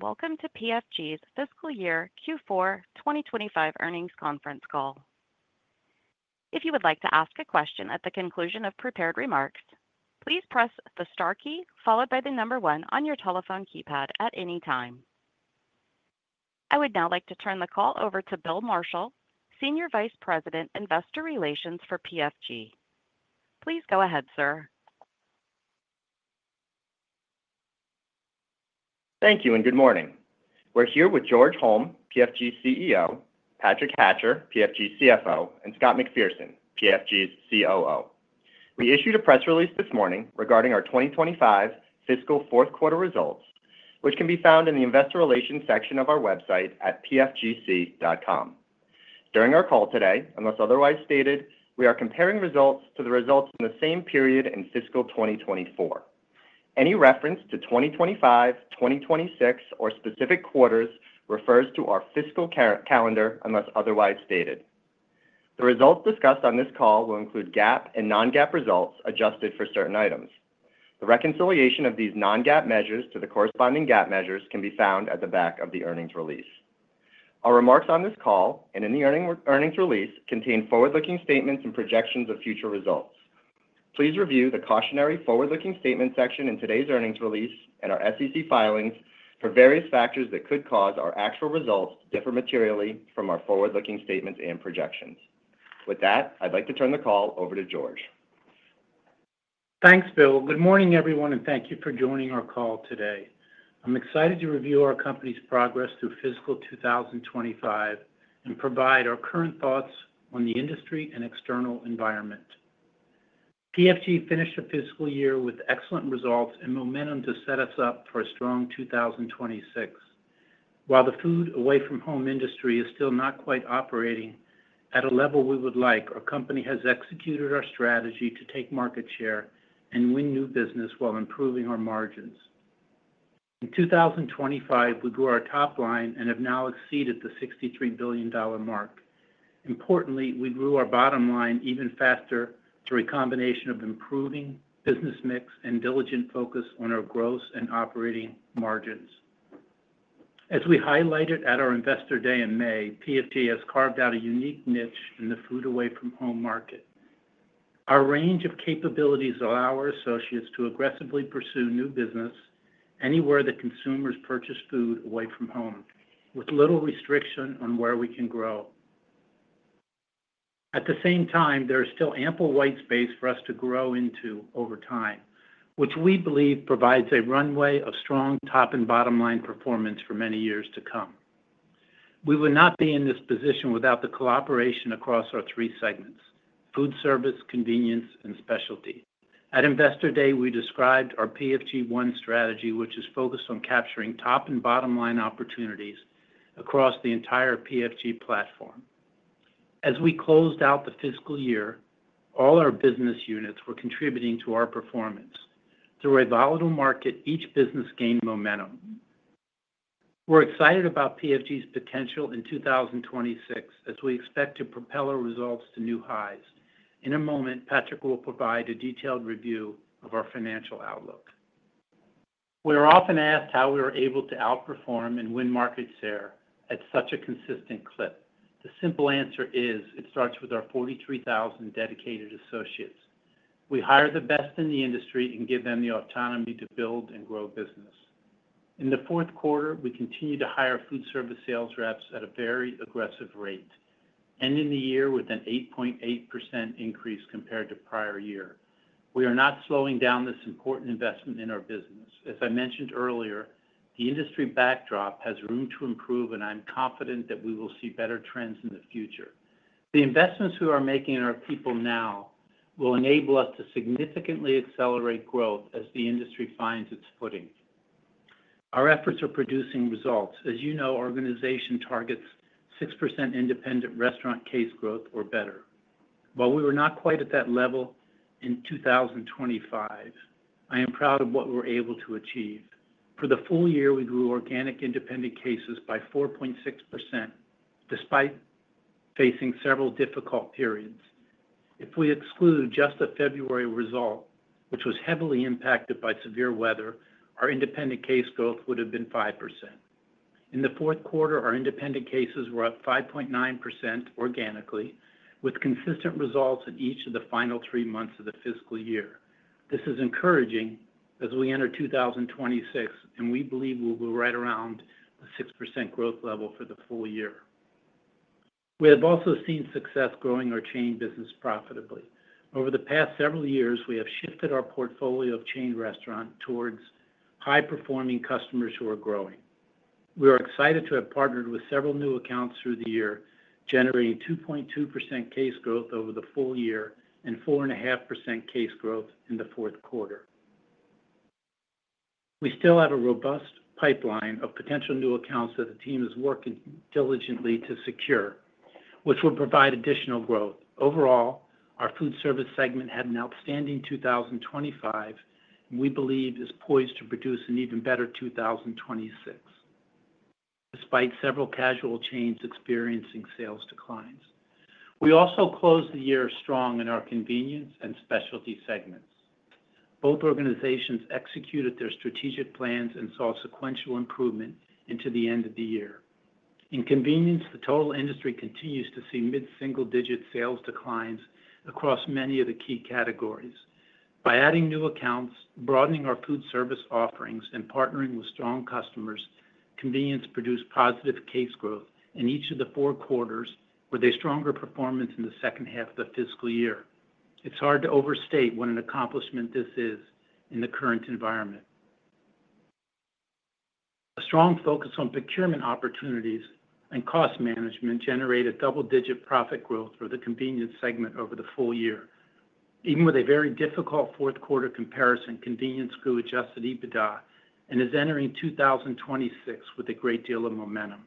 Welcome to PFG's fiscal year Q4 2025 earnings conference call. If you would like to ask a question at the conclusion of prepared remarks, please press the star key followed by the number one on your telephone keypad at any time. I would now like to turn the call over to Bill Marshall, Senior Vice President, Investor Relations for PFG. Please go ahead, sir. Thank you and good morning. We're here with George Holm, PFG's CEO, Patrick Hatcher, PFG's CFO, and Scott McPherson, PFG's COO. We issued a press release this morning regarding our 2025 fiscal fourth quarter results, which can be found in the Investor Relations section of our website at pfgc.com. During our call today, unless otherwise stated, we are comparing results to the results in the same period in fiscal 2024. Any reference to 2025, 2026, or specific quarters refers to our fiscal calendar unless otherwise stated. The results discussed on this call will include GAAP and non-GAAP results adjusted for certain items. The reconciliation of these non-GAAP measures to the corresponding GAAP measures can be found at the back of the earnings release. Our remarks on this call and in the earnings release contain forward-looking statements and projections of future results. Please review the cautionary forward-looking statement section in today's earnings release and our SEC filings for various factors that could cause our actual results to differ materially from our forward-looking statements and projections. With that, I'd like to turn the call over to George. Thanks, Bill. Good morning, everyone, and thank you for joining our call today. I'm excited to review our company's progress through fiscal 2025 and provide our current thoughts on the industry and external environment. PFG finished the fiscal year with excellent results and momentum to set us up for a strong 2026. While the food away from home industry is still not quite operating at a level we would like, our company has executed our strategy to take market share and win new business while improving our margins. In 2025, we grew our top line and have now exceeded the $63 billion mark. Importantly, we grew our bottom line even faster through a combination of improving business mix and diligent focus on our gross and operating margins. As we highlighted at our Investor Day in May, PFG has carved out a unique niche in the food away from home market. Our range of capabilities allow our associates to aggressively pursue new business anywhere that consumers purchase food away from home, with little restriction on where we can grow. At the same time, there is still ample white space for us to grow into over time, which we believe provides a runway of strong top and bottom line performance for many years to come. We would not be in this position without the collaboration across our three segments: Foodservice, Convenience, and Specialty. At Investor Day, we described our PFG One strategy, which is focused on capturing top and bottom line opportunities across the entire PFG platform. As we closed out the fiscal year, all our business units were contributing to our performance. Through a volatile market, each business gained momentum. We're excited about PFG's potential in 2026, as we expect to propel our results to new highs. In a moment, Patrick will provide a detailed review of our financial outlook. We are often asked how we were able to outperform and win market share at such a consistent clip. The simple answer is it starts with our 43,000 dedicated associates. We hire the best in the industry and give them the autonomy to build and grow business. In the fourth quarter, we continue to hire Foodservice sales reps at a very aggressive rate, ending the year with an 8.8% increase compared to prior year. We are not slowing down this important investment in our business. As I mentioned earlier, the industry backdrop has room to improve, and I'm confident that we will see better trends in the future. The investments we are making in our people now will enable us to significantly accelerate growth as the industry finds its footing. Our efforts are producing results. As you know, our organization targets 6% independent restaurant case growth or better. While we were not quite at that level in 2025, I am proud of what we're able to achieve. For the full year, we grew organic independent cases by 4.6% despite facing several difficult periods. If we exclude just the February result, which was heavily impacted by severe weather, our independent case growth would have been 5%. In the fourth quarter, our independent cases were up 5.9% organically, with consistent results in each of the final three months of the fiscal year. This is encouraging as we enter 2026, and we believe we'll be right around the 6% growth level for the full year. We have also seen success growing our chain business profitably. Over the past several years, we have shifted our portfolio of chain restaurants towards high-performing customers who are growing. We are excited to have partnered with several new accounts through the year, generating 2.2% case growth over the full year and 4.5% case growth in the fourth quarter. We still have a robust pipeline of potential new accounts that the team is working diligently to secure, which will provide additional growth. Overall, our Foodservice segment had an outstanding 2025, and we believe it's poised to produce an even better 2026, despite several casual chains experiencing sales declines. We also closed the year strong in our Convenience and Specialty segments. Both organizations executed their strategic plans and saw sequential improvement into the end of the year. In Convenience, the total industry continues to see mid-single-digit sales declines across many of the key categories. By adding new accounts, broadening our Foodservice offerings, and partnering with strong customers, Convenience produced positive case growth in each of the four quarters with a stronger performance in the second half of the fiscal year. It's hard to overstate what an accomplishment this is in the current environment. A strong focus on procurement opportunities and cost management generated double-digit profit growth for the Convenience segment over the full year. Even with a very difficult fourth quarter comparison, Convenience grew adjusted EBITDA and is entering 2026 with a great deal of momentum.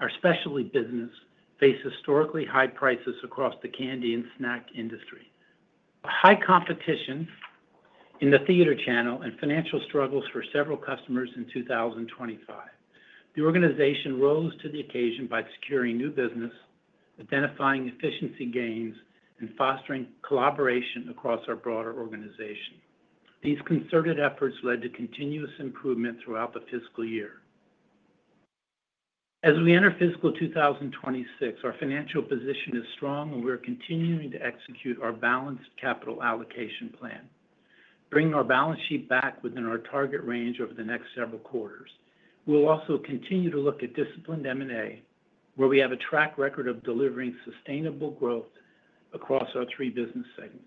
Our Specialty business faced historically high prices across the candy and snack industry, high competition in the theater channel, and financial struggles for several customers in 2025. The organization rose to the occasion by securing new business, identifying efficiency gains, and fostering collaboration across our broader organization. These concerted efforts led to continuous improvement throughout the fiscal year. As we enter fiscal 2026, our financial position is strong, and we're continuing to execute our balanced capital allocation plan, bringing our balance sheet back within our target range over the next several quarters. We'll also continue to look at disciplined M&A, where we have a track record of delivering sustainable growth across our three business segments.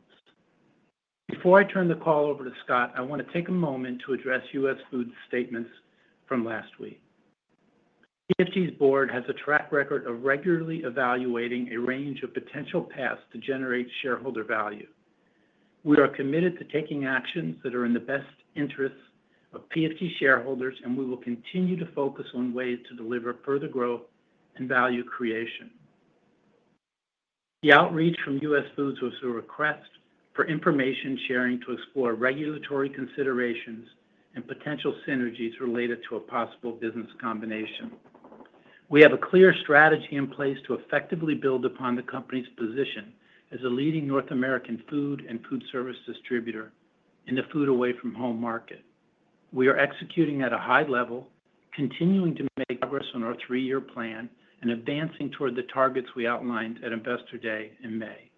Before I turn the call over to Scott, I want to take a moment to address US Foods' statements from last week. PFG's board has a track record of regularly evaluating a range of potential paths to generate shareholder value. We are committed to taking actions that are in the best interests of PFG shareholders, and we will continue to focus on ways to deliver further growth and value creation. The outreach from US Foods was a request for information sharing to explore regulatory considerations and potential synergies related to a possible business combination. We have a clear strategy in place to effectively build upon the company's position as a leading North American food and Foodservice distributor in the food away from home market. We are executing at a high level, continuing to make progress on our three-year plan, and advancing toward the targets we outlined at Investor Day in May.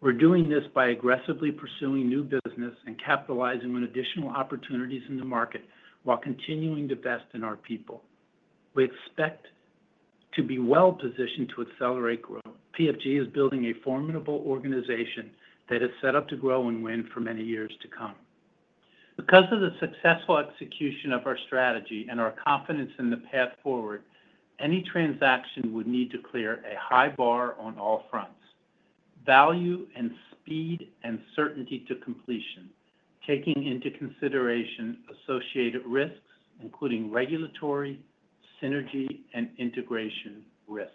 We're doing this by aggressively pursuing new business and capitalizing on additional opportunities in the market while continuing to invest in our people. We expect to be well-positioned to accelerate growth. PFG is building a formidable organization that is set up to grow and win for many years to come. Because of the successful execution of our strategy and our confidence in the path forward, any transaction would need to clear a high bar on all fronts: value and speed and certainty to completion, taking into consideration associated risks, including regulatory, synergy, and integration risks.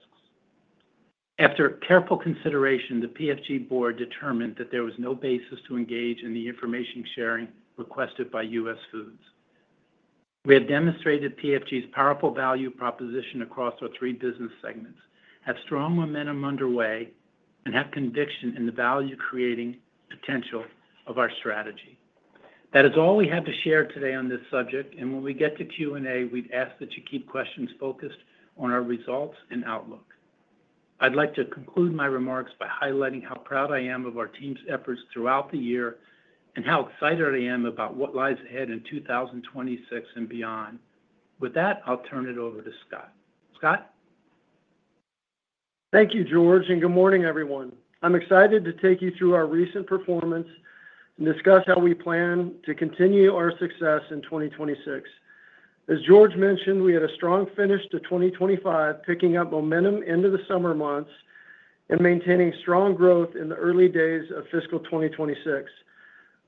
After careful consideration, the PFG board determined that there was no basis to engage in the information sharing requested by US Foods. We have demonstrated PFG's powerful value proposition across our three business segments, have strong momentum underway, and have conviction in the value-creating potential of our strategy. That is all we have to share today on this subject, and when we get to Q&A, we'd ask that you keep questions focused on our results and outlook. I'd like to conclude my remarks by highlighting how proud I am of our team's efforts throughout the year and how excited I am about what lies ahead in 2026 and beyond. With that, I'll turn it over to Scott. Scott? Thank you, George, and good morning, everyone. I'm excited to take you through our recent performance and discuss how we plan to continue our success in 2026. As George mentioned, we had a strong finish to 2025, picking up momentum into the summer months and maintaining strong growth in the early days of fiscal 2026.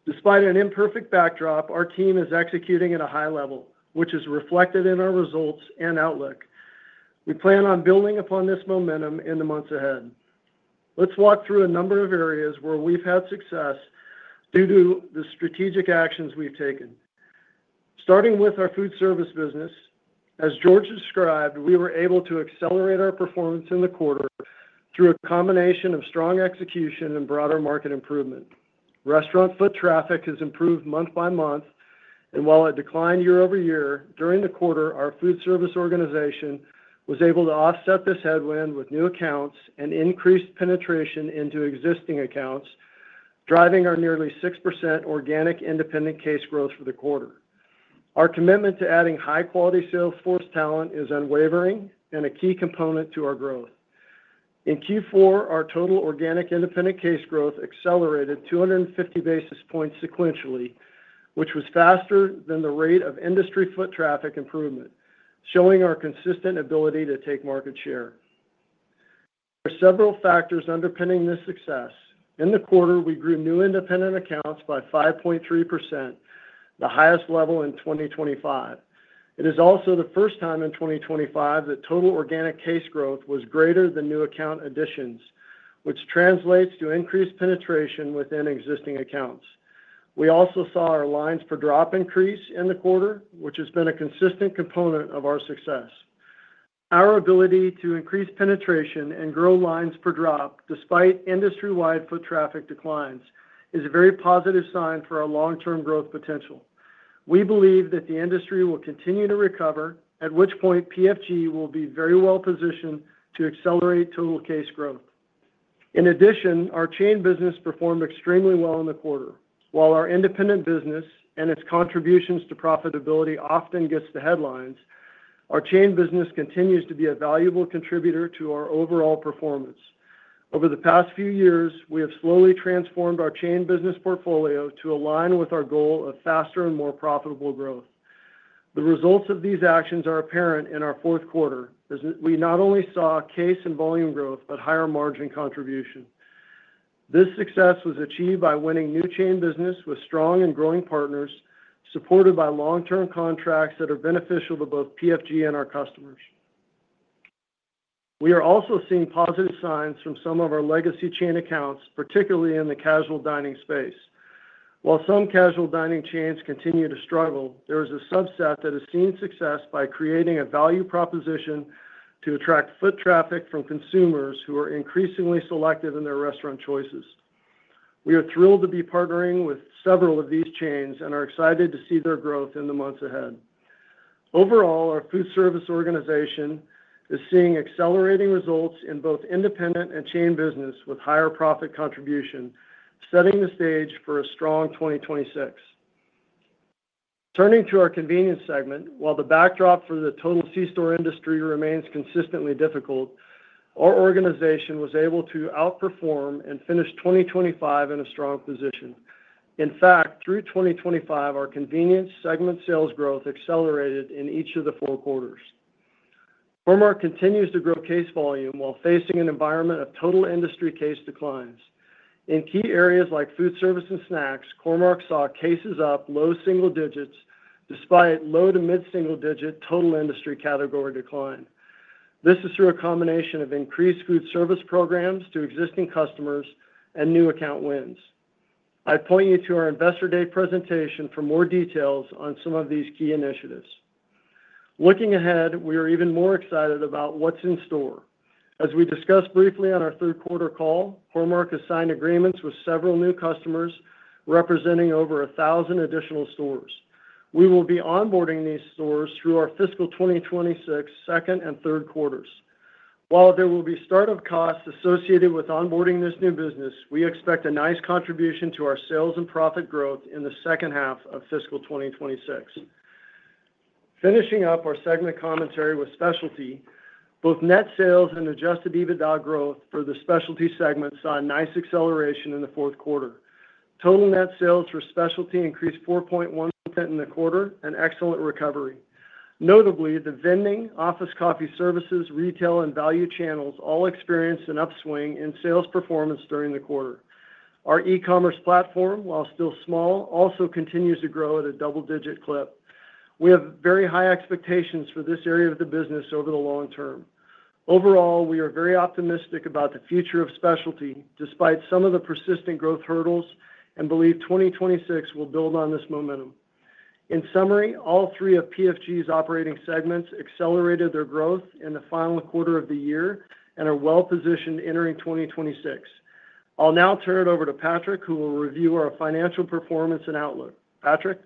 Despite an imperfect backdrop, our team is executing at a high level, which is reflected in our results and outlook. We plan on building upon this momentum in the months ahead. Let's walk through a number of areas where we've had success due to the strategic actions we've taken. Starting with our Foodservice business, as George described, we were able to accelerate our performance in the quarter through a combination of strong execution and broader market improvement. Restaurant foot traffic has improved month by month, and while it declined year-over-year, during the quarter, our Foodservice organization was able to offset this headwind with new accounts and increased penetration into existing accounts, driving our nearly 6% organic independent case growth for the quarter. Our commitment to adding high-quality salesforce talent is unwavering and a key component to our growth. In Q4, our total organic independent case growth accelerated 250 basis points sequentially, which was faster than the rate of industry foot traffic improvement, showing our consistent ability to take market share. There are several factors underpinning this success. In the quarter, we grew new independent accounts by 5.3%, the highest level in 2025. It is also the first time in 2025 that total organic case growth was greater than new account additions, which translates to increased penetration within existing accounts. We also saw our lines per drop increase in the quarter, which has been a consistent component of our success. Our ability to increase penetration and grow lines per drop, despite industry-wide foot traffic declines, is a very positive sign for our long-term growth potential. We believe that the industry will continue to recover, at which point PFG will be very well positioned to accelerate total case growth. In addition, our chain business performed extremely well in the quarter. While our independent business and its contributions to profitability often get the headlines, our chain business continues to be a valuable contributor to our overall performance. Over the past few years, we have slowly transformed our chain business portfolio to align with our goal of faster and more profitable growth. The results of these actions are apparent in our fourth quarter, as we not only saw case and volume growth, but higher margin contribution. This success was achieved by winning new chain business with strong and growing partners, supported by long-term contracts that are beneficial to both PFG and our customers. We are also seeing positive signs from some of our legacy chain accounts, particularly in the casual dining space. While some casual dining chains continue to struggle, there is a subset that has seen success by creating a value proposition to attract foot traffic from consumers who are increasingly selective in their restaurant choices. We are thrilled to be partnering with several of these chains and are excited to see their growth in the months ahead. Overall, our Foodservice organization is seeing accelerating results in both independent and chain business with higher profit contribution, setting the stage for a strong 2026. Turning to our Convenience segment, while the backdrop for the total C-store industry remains consistently difficult, our organization was able to outperform and finish 2025 in a strong position. In fact, through 2025, our Convenience segment sales growth accelerated in each of the four quarters. Core-Mark continues to grow case volume while facing an environment of total industry case declines. In key areas like Foodservice and snacks, Core-Mark saw cases up low single digits, despite low to mid-single digit total industry category decline. This is through a combination of increased Foodservice programs to existing customers and new account wins. I'd point you to our Investor Day presentation for more details on some of these key initiatives. Looking ahead, we are even more excited about what's in store. As we discussed briefly on our third quarter call, Core-Mark has signed agreements with several new customers representing over 1,000 additional stores. We will be onboarding these stores through our fiscal 2026 second and third quarters. While there will be startup costs associated with onboarding this new business, we expect a nice contribution to our sales and profit growth in the second half of fiscal 2026. Finishing up our segment commentary with Specialty, both net sales and adjusted EBITDA growth for the Specialty segment saw a nice acceleration in the fourth quarter. Total net sales for Specialty increased 4.1% in the quarter, an excellent recovery. Notably, the vending, office coffee services, retail, and value channels all experienced an upswing in sales performance during the quarter. Our e-commerce platform, while still small, also continues to grow at a double-digit clip. We have very high expectations for this area of the business over the long term. Overall, we are very optimistic about the future of Specialty despite some of the persistent growth hurdles and believe 2026 will build on this momentum. In summary, all three of PFG's operating segments accelerated their growth in the final quarter of the year and are well-positioned entering 2026. I'll now turn it over to Patrick, who will review our financial performance and outlook. Patrick?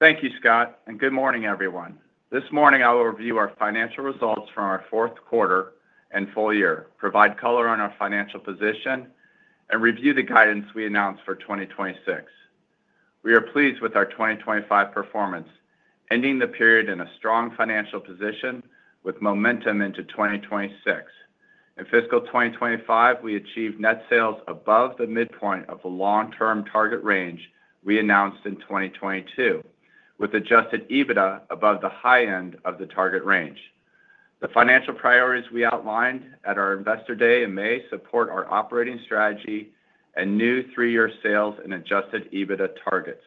Thank you, Scott, and good morning, everyone. This morning, I will review our financial results from our fourth quarter and full year, provide color on our financial position, and review the guidance we announced for 2026. We are pleased with our 2025 performance, ending the period in a strong financial position with momentum into 2026. In fiscal 2025, we achieved net sales above the midpoint of the long-term target range we announced in 2022, with adjusted EBITDA above the high end of the target range. The financial priorities we outlined at our Investor Day in May support our operating strategy and new three-year sales and adjusted EBITDA targets.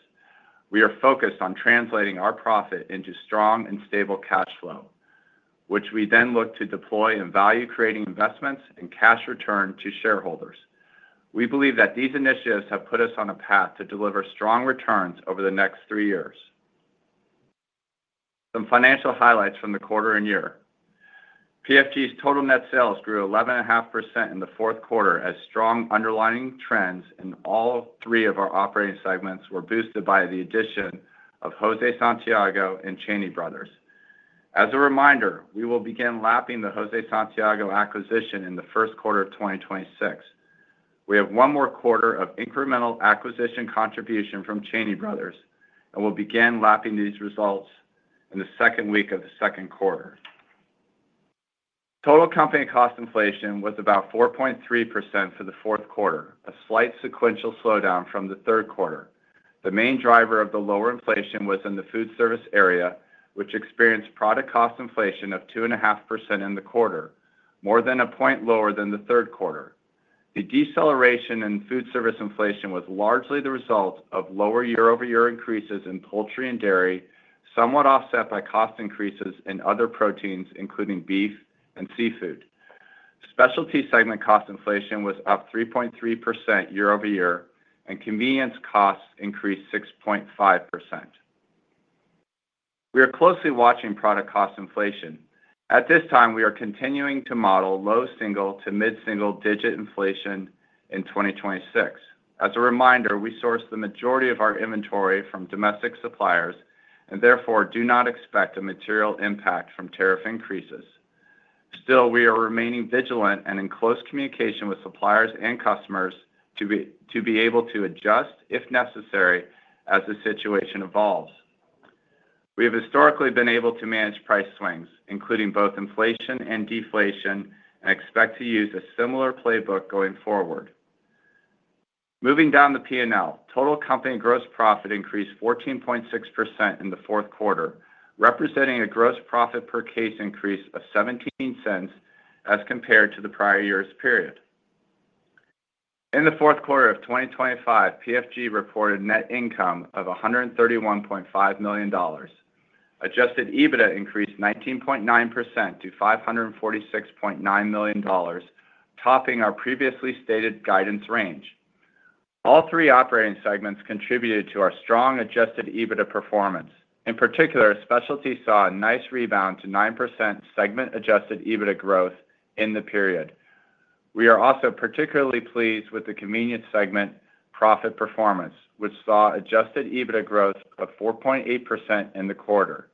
We are focused on translating our profit into strong and stable cash flow, which we then look to deploy in value-creating investments and cash return to shareholders. We believe that these initiatives have put us on a path to deliver strong returns over the next three years. Some financial highlights from the quarter and year. PFG's total net sales grew 11.5% in the fourth quarter, as strong underlying trends in all three of our operating segments were boosted by the addition of José Santiago and Cheney Brothers. As a reminder, we will begin lapping the José Santiago acquisition in the first quarter of 2026. We have one more quarter of incremental acquisition contribution from Cheney Brothers, and we'll begin lapping these results in the second week of the second quarter. Total company cost inflation was about 4.3% for the fourth quarter, a slight sequential slowdown from the third quarter. The main driver of the lower inflation was in the Foodservice area, which experienced product cost inflation of 2.5% in the quarter, more than a point lower than the third quarter. The deceleration in Foodservice inflation was largely the result of lower year-over-year increases in poultry and dairy, somewhat offset by cost increases in other proteins, including beef and seafood. Specialty segment cost inflation was up 3.3% year-over-year, and Convenience costs increased 6.5%. We are closely watching product cost inflation. At this time, we are continuing to model low single to mid-single digit inflation in 2026. As a reminder, we source the majority of our inventory from domestic suppliers and therefore do not expect a material impact from tariff increases. Still, we are remaining vigilant and in close communication with suppliers and customers to be able to adjust if necessary as the situation evolves. We have historically been able to manage price swings, including both inflation and deflation, and expect to use a similar playbook going forward. Moving down the P&L, total company gross profit increased 14.6% in the fourth quarter, representing a gross profit per case increase of $0.17 as compared to the prior year's period. In the fourth quarter of 2025, PFG reported net income of $131.5 million. Adjusted EBITDA increased 19.9% to $546.9 million, topping our previously stated guidance range. All three operating segments contributed to our strong adjusted EBITDA performance. In particular, Specialty saw a nice rebound to 9% segment adjusted EBITDA growth in the period. We are also particularly pleased with the Convenience segment profit performance, which saw adjusted EBITDA growth of 4.8% in the quarter.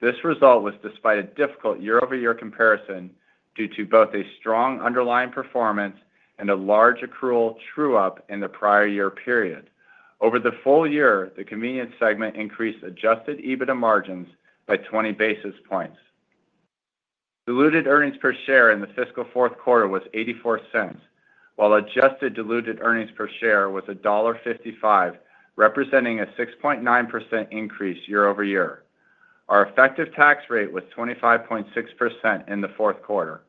This result was despite a difficult year-over-year comparison due to both a strong underlying performance and a large accrual true-up in the prior year period. Over the full year, the Convenience segment increased adjusted EBITDA margins by 20 basis points. Diluted earnings per share in the fiscal fourth quarter was $0.84, while adjusted diluted earnings per share was $1.55, representing a 6.9% increase year-over-year. Our effective tax rate was 25.6% in the fourth quarter.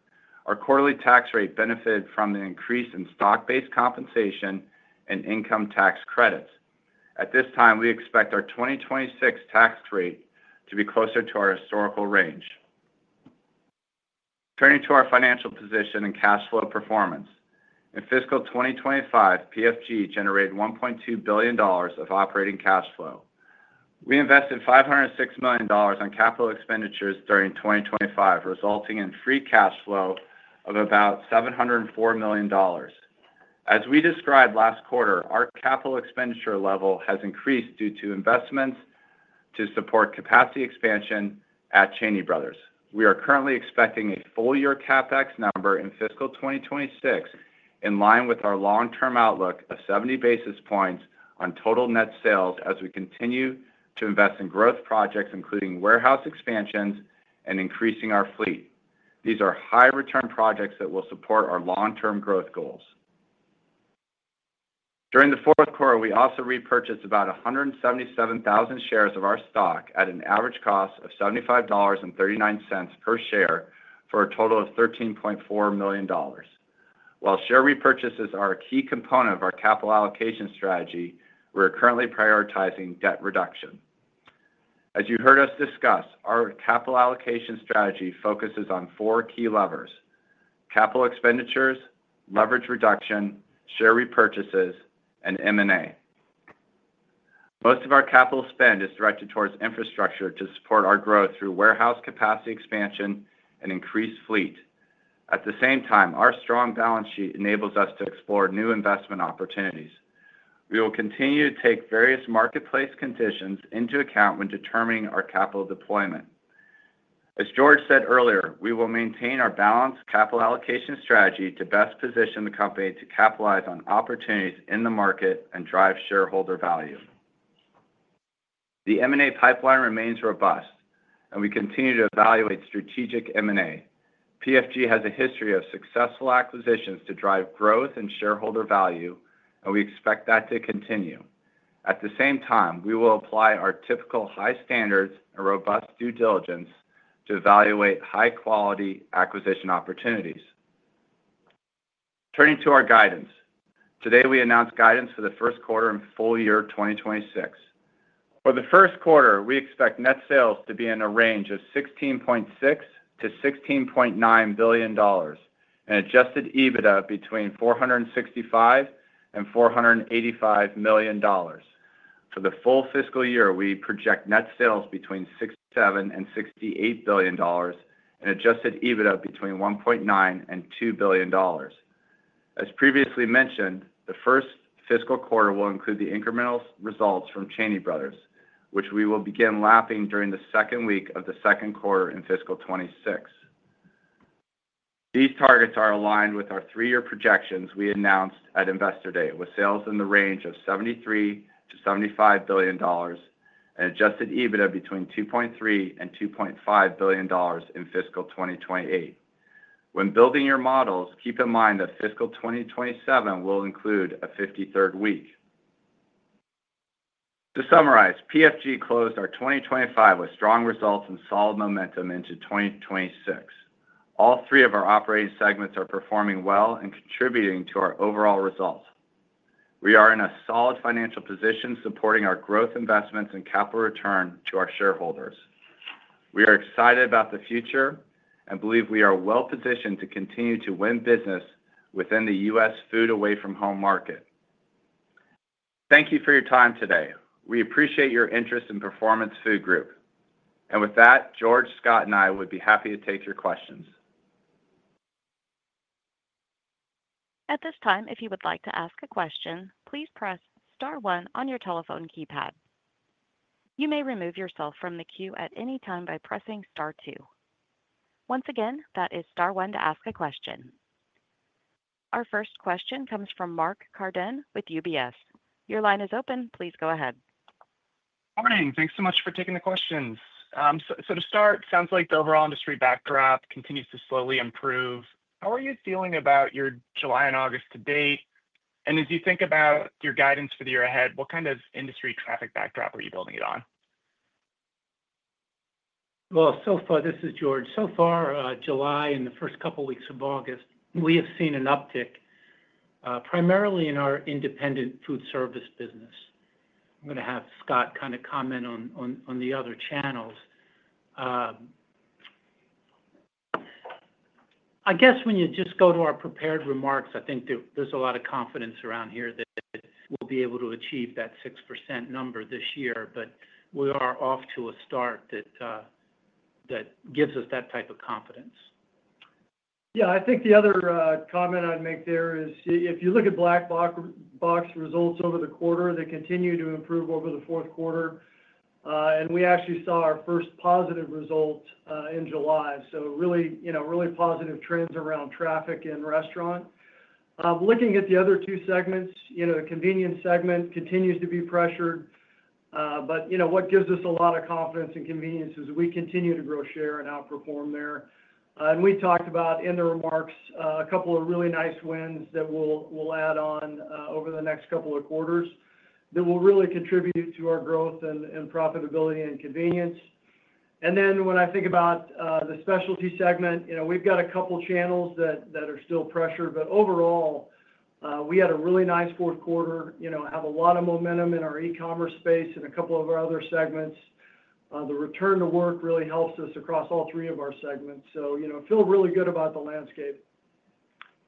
Our quarterly tax rate benefited from the increase in stock-based compensation and income tax credits. At this time, we expect our 2026 tax rate to be closer to our historical range. Turning to our financial position and cash flow performance, in fiscal 2025, PFG generated $1.2 billion of operating cash flow. We invested $506 million on capital expenditures during 2025, resulting in free cash flow of about $704 million. As we described last quarter, our capital expenditure level has increased due to investments to support capacity expansion at Cheney Brothers. We are currently expecting a full-year capital expenditures number in fiscal 2026, in line with our long-term outlook of 70 basis points on total net sales, as we continue to invest in growth projects, including warehouse expansions and increasing our fleet. These are high-return projects that will support our long-term growth goals. During the fourth quarter, we also repurchased about 177,000 shares of our stock at an average cost of $75.39 per share for a total of $13.4 million. While share repurchases are a key component of our capital allocation strategy, we are currently prioritizing debt reduction. As you heard us discuss, our capital allocation strategy focuses on four key levers: capital expenditures, leverage reduction, share repurchases, and M&A. Most of our capital spend is directed towards infrastructure to support our growth through warehouse capacity expansion and increased fleet. At the same time, our strong balance sheet enables us to explore new investment opportunities. We will continue to take various marketplace conditions into account when determining our capital deployment. As George said earlier, we will maintain our balanced capital allocation strategy to best position the company to capitalize on opportunities in the market and drive shareholder value. The M&A pipeline remains robust, and we continue to evaluate strategic M&A. PFG has a history of successful acquisitions to drive growth and shareholder value, and we expect that to continue. At the same time, we will apply our typical high standards and robust due diligence to evaluate high-quality acquisition opportunities. Turning to our guidance, today we announced guidance for the first quarter and full year 2026. For the first quarter, we expect net sales to be in a range of $16.6 billion-$16.9 billion and adjusted EBITDA between $465 and $485 million. For the full fiscal year, we project net sales between $67 billion and $68 billion and adjusted EBITDA between $1.9 nillion and $2 billion. As previously mentioned, the first fiscal quarter will include the incremental results from Cheney Brothers, which we will begin lapping during the second week of the second quarter in fiscal 2026. These targets are aligned with our three-year projections we announced at Investor Day, with sales in the range of $73 billion-$75 billion and adjusted EBITDA between $2.3 billion and $2.5 billion in fiscal 2028. When building your models, keep in mind that fiscal 2027 will include a 53rd week. To summarize, PFG closed our 2025 with strong results and solid momentum into 2026. All three of our operating segments are performing well and contributing to our overall results. We are in a solid financial position, supporting our growth investments and capital return to our shareholders. We are excited about the future and believe we are well-positioned to continue to win business within the US Food away from home market. Thank you for your time today. We appreciate your interest in Performance Food Group. With that, George, Scott, and I would be happy to take your questions. At this time, if you would like to ask a question, please press star one on your telephone keypad. You may remove yourself from the queue at any time by pressing star two. Once again, that is star one to ask a question. Our first question comes from Mark Carden with UBS. Your line is open. Please go ahead. Morning. Thanks so much for taking the questions. To start, it sounds like the overall industry backdrop continues to slowly improve. How are you feeling about your July and August to date? As you think about your guidance for the year ahead, what kind of industry traffic backdrop are you building it on? This is George. So far, July and the first couple of weeks of August, we have seen an uptick, primarily in our independent Foodservice business. I'm going to have Scott kind of comment on the other channels. I guess when you just go to our prepared remarks, I think there's a lot of confidence around here that we'll be able to achieve that 6% number this year, but we are off to a start that gives us that type of confidence. Yeah, I think the other comment I'd make there is if you look at Black Box results over the quarter, they continue to improve over the fourth quarter. We actually saw our first positive result in July. Really positive trends around traffic and restaurant. Looking at the other two segments, the Convenience segment continues to be pressured. What gives us a lot of confidence in Convenience is we continue to grow share and outperform there. We talked about in the remarks a couple of really nice wins that we'll add on over the next couple of quarters that will really contribute to our growth and profitability in Convenience. When I think about the Specialty segment, we've got a couple of channels that are still pressured, but overall, we had a really nice fourth quarter, have a lot of momentum in our e-commerce space and a couple of our other segments. The return to work really helps us across all three of our segments. Feel really good about the landscape.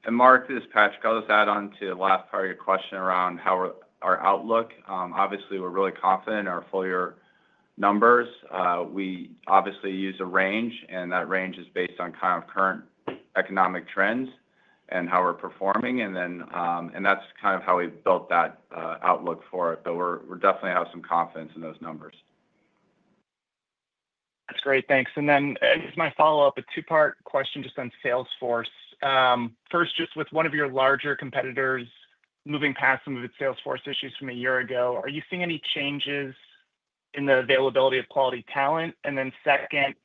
Mark, this is Patrick. I'll just add on to the last part of your question around how our outlook. Obviously, we're really confident in our full-year numbers. We use a range, and that range is based on current economic trends and how we're performing. That's kind of how we built that outlook for it. We definitely have some confidence in those numbers. That's great. Thanks. This is my follow-up, a two-part question just on Salesforce. First, just with one of your larger competitors moving past some of its Salesforce issues from a year ago, are you seeing any changes in the availability of quality talent? Second,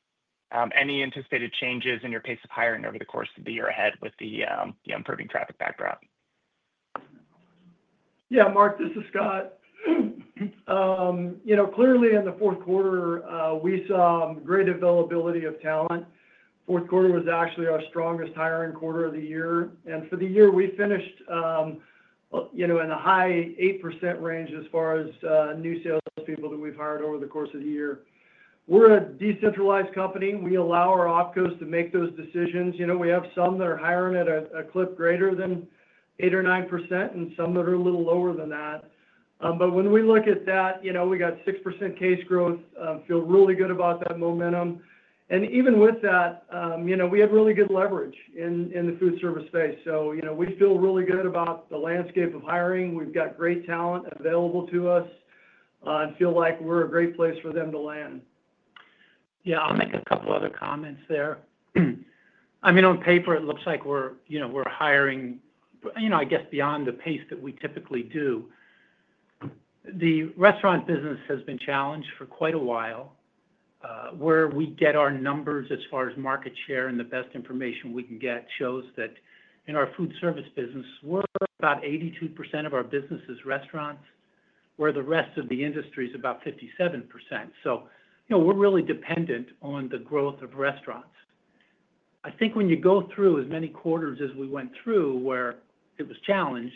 any anticipated changes in your pace of hiring over the course of the year ahead with the improving traffic backdrop? Yeah, Mark, this is Scott. Clearly in the fourth quarter, we saw great availability of talent. The fourth quarter was actually our strongest hiring quarter of the year. For the year, we finished in a high 8% range as far as new salespeople that we've hired over the course of the year. We're a decentralized company. We allow our opcos to make those decisions. We have some that are hiring at a clip greater than 8% or 9% and some that are a little lower than that. When we look at that, we got 6% case growth. I feel really good about that momentum. Even with that, we had really good leverage in the Foodservice space. We feel really good about the landscape of hiring. We've got great talent available to us and feel like we're a great place for them to land. Yeah, I'll make a couple of other comments there. I mean, on paper, it looks like we're, you know, we're hiring, you know, I guess beyond the pace that we typically do. The restaurant business has been challenged for quite a while. Where we get our numbers as far as market share and the best information we can get shows that in our Foodservice business, we're about 82% of our business is restaurants, where the rest of the industry is about 57%. We're really dependent on the growth of restaurants. I think when you go through as many quarters as we went through where it was challenged,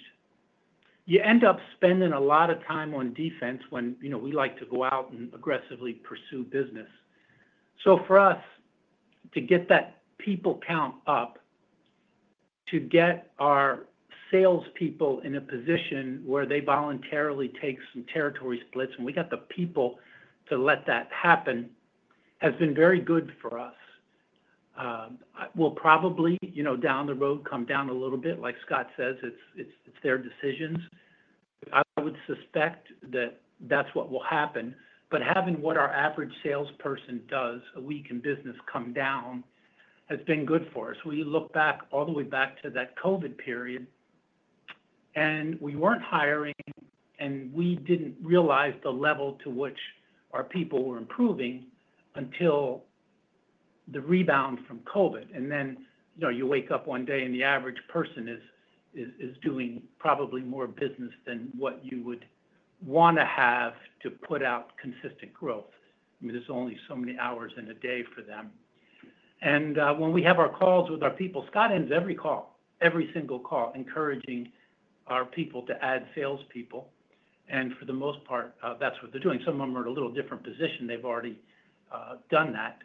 you end up spending a lot of time on defense when we like to go out and aggressively pursue business. For us to get that people count up, to get our salespeople in a position where they voluntarily take some territory splits and we got the people to let that happen has been very good for us. We'll probably, down the road, come down a little bit. Like Scott says, it's their decisions. I would suspect that that's what will happen. Having what our average salesperson does a week in business come down has been good for us. We look back all the way back to that COVID period and we weren't hiring and we didn't realize the level to which our people were improving until the rebound from COVID. You wake up one day and the average person is doing probably more business than what you would want to have to put out consistent growth. There are only so many hours in a day for them. When we have our calls with our people, Scott ends every call, every single call, encouraging our people to add salespeople. For the most part, that's what they're doing. Some of them are in a little different position. They've already done that.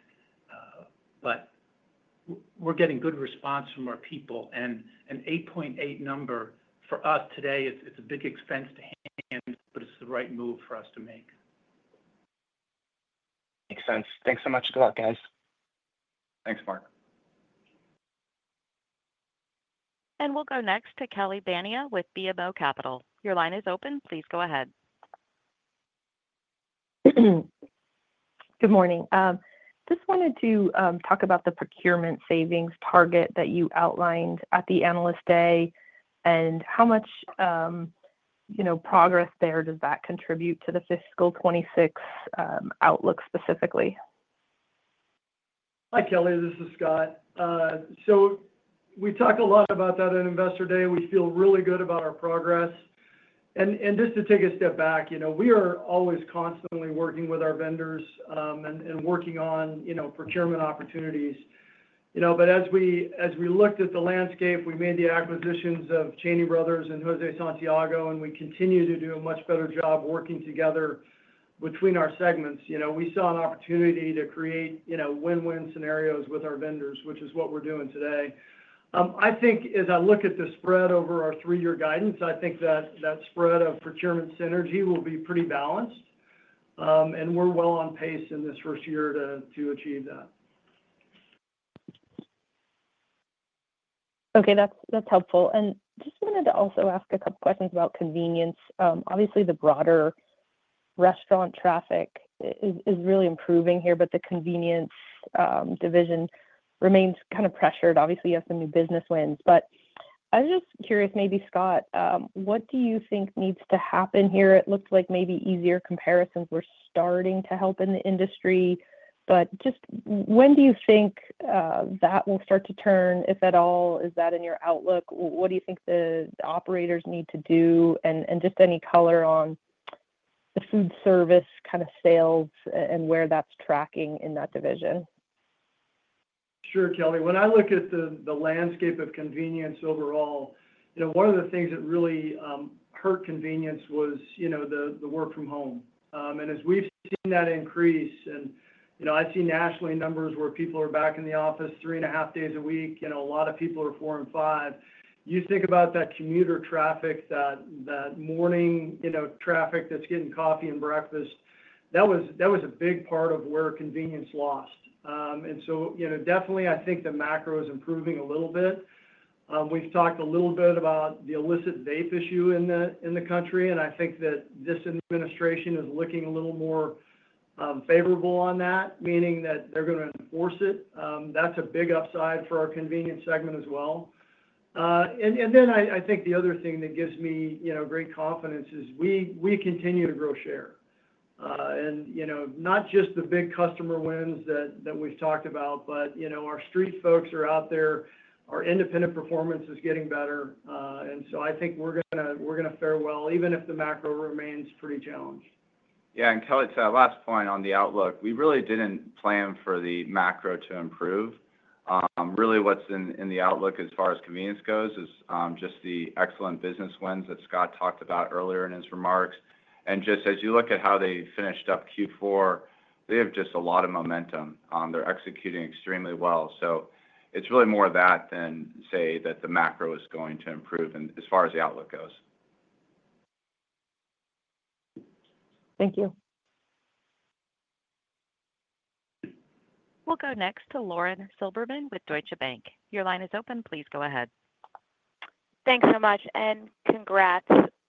We're getting good response from our people and an 8.8 number for us today. It's a big expense to hand, but it's the right move for us to make. Makes sense. Thanks so much. Good luck, guys. Thanks, Mark. We'll go next to Kelly Bania with BMO Capital. Your line is open. Please go ahead. Good morning. I just wanted to talk about the procurement savings target that you outlined at the analyst day and how much progress that contributes to the fiscal 2026 outlook specifically? Hi, Kelly. This is Scott. We talk a lot about that at Investor Day. We feel really good about our progress. Just to take a step back, we are always constantly working with our vendors and working on procurement opportunities. As we looked at the landscape, we made the acquisitions of Cheney Brothers and José Santiago, and we continue to do a much better job working together between our segments. We saw an opportunity to create win-win scenarios with our vendors, which is what we're doing today. I think as I look at the spread over our three-year guidance, I think that spread of procurement synergy will be pretty balanced. We're well on pace in this first year to achieve that. Okay. That's helpful. I just wanted to also ask a couple of questions about Convenience. Obviously, the broader restaurant traffic is really improving here, but the Convenience division remains kind of pressured. Obviously, you have some new business wins. I'm just curious, maybe Scott, what do you think needs to happen here? It looked like maybe easier comparisons were starting to help in the industry. When do you think that will start to turn, if at all? Is that in your outlook? What do you think the operators need to do? Any color on the Foodservice kind of sales and where that's tracking in that division? Sure, Kelly. When I look at the landscape of Convenience overall, one of the things that really hurt Convenience was the work from home. As we've seen that increase, I've seen nationally numbers where people are back in the office three and a half days a week. A lot of people are four and five. You think about that commuter traffic, that morning traffic that's getting coffee and breakfast. That was a big part of where Convenience lost. I think the macro is improving a little bit. We've talked a little bit about the illicit vape issue in the country. I think that this administration is looking a little more favorable on that, meaning that they're going to enforce it. That's a big upside for our Convenience segment as well. I think the other thing that gives me great confidence is we continue to grow share. Not just the big customer wins that we've talked about, but our street folks are out there. Our independent performance is getting better. I think we're going to farewell, even if the macro remains pretty challenged. Yeah. Kelly, to that last point on the outlook, we really didn't plan for the macro to improve. What's in the outlook as far as Convenience goes is just the excellent business wins that Scott talked about earlier in his remarks. As you look at how they finished up Q4, they have just a lot of momentum. They're executing extremely well. It's really more of that than say that the macro is going to improve as far as the outlook goes. Thank you. We'll go next to Lauren Silberman with Deutsche Bank. Your line is open. Please go ahead. Thanks so much. Congrats.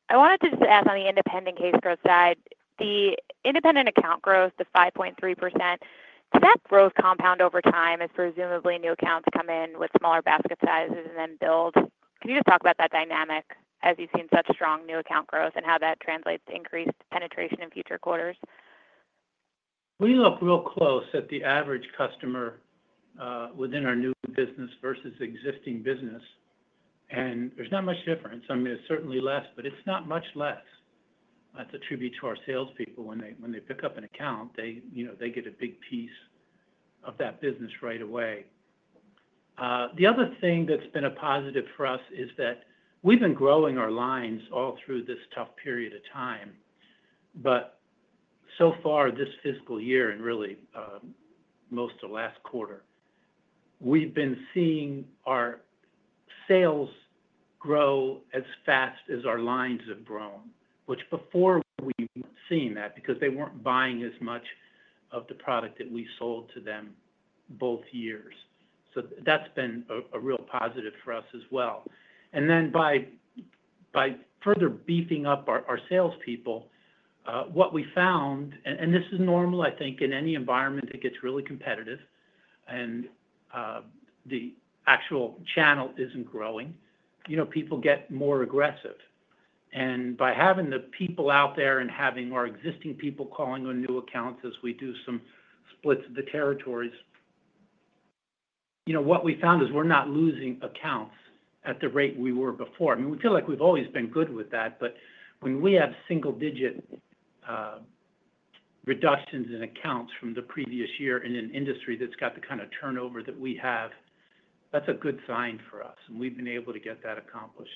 I wanted to just ask on the independent case growth side, the independent account growth, the 5.3%, does that growth compound over time as presumably new accounts come in with smaller basket sizes and then build? Can you just talk about that dynamic as you've seen such strong new account growth and how that translates to increased penetration in future quarters? We look real close at the average customer within our new business versus existing business, and there's not much difference. I mean, it's certainly less, but it's not much less. That's a tribute to our salespeople. When they pick up an account, they get a big piece of that business right away. The other thing that's been a positive for us is that we've been growing our lines all through this tough period of time. So far, this fiscal year and really most of the last quarter, we've been seeing our sales grow as fast as our lines have grown, which before we weren't seeing that because they weren't buying as much of the product that we sold to them both years. That's been a real positive for us as well. By further beefing up our salespeople, what we found, and this is normal, I think, in any environment that gets really competitive and the actual channel isn't growing, you know, people get more aggressive. By having the people out there and having our existing people calling on new accounts as we do some splits of the territories, what we found is we're not losing accounts at the rate we were before. I mean, we feel like we've always been good with that, but when we have single-digit reductions in accounts from the previous year and an industry that's got the kind of turnover that we have, that's a good sign for us. We've been able to get that accomplished.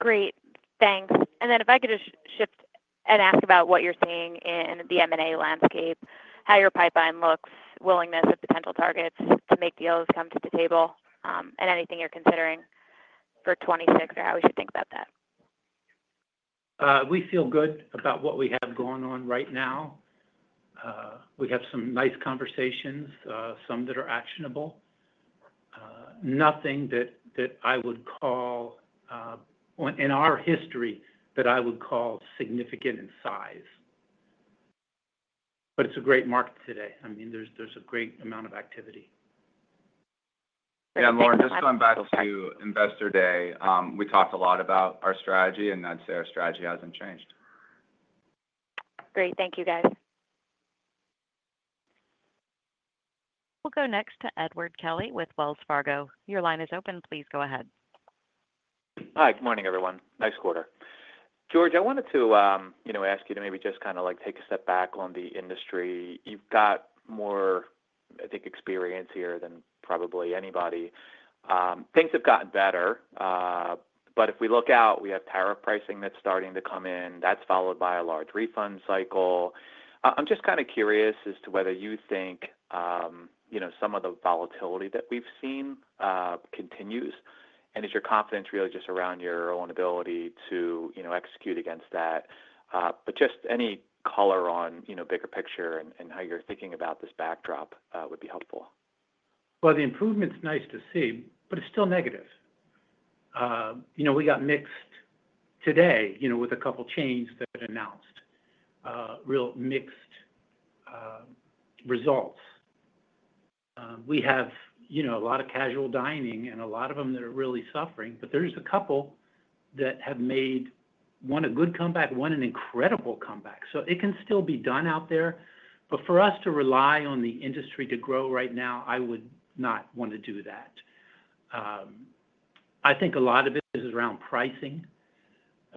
Great. Thanks. If I could just shift and ask about what you're seeing in the M&A landscape, how your pipeline looks, willingness of potential targets to make deals come to the table, and anything you're considering for 2026, or how we should think about that. We feel good about what we have going on right now. We have some nice conversations, some that are actionable. Nothing that I would call in our history that I would call significant in size. It is a great market today. There is a great amount of activity. Yeah, Lauren, just going back to Investor Day, we talked a lot about our strategy, and I'd say our strategy hasn't changed. Great. Thank you, guys. We'll go next to Edward Kelly with Wells Fargo. Your line is open. Please go ahead. Hi. Good morning, everyone. Nice quarter. George, I wanted to ask you to maybe just kind of take a step back on the industry. You've got more, I think, experience here than probably anybody. Things have gotten better. If we look out, we have tariff pricing that's starting to come in. That's followed by a large refund cycle. I'm just kind of curious as to whether you think some of the volatility that we've seen continues. Is your confidence really just around your own ability to execute against that? Any color on bigger picture and how you're thinking about this backdrop would be helpful. The improvement's nice to see, but it's still negative. We got mixed today with a couple of chains that announced real mixed results. We have a lot of casual dining and a lot of them that are really suffering, but there's a couple that have made one a good comeback, one an incredible comeback. It can still be done out there. For us to rely on the industry to grow right now, I would not want to do that. I think a lot of it is around pricing.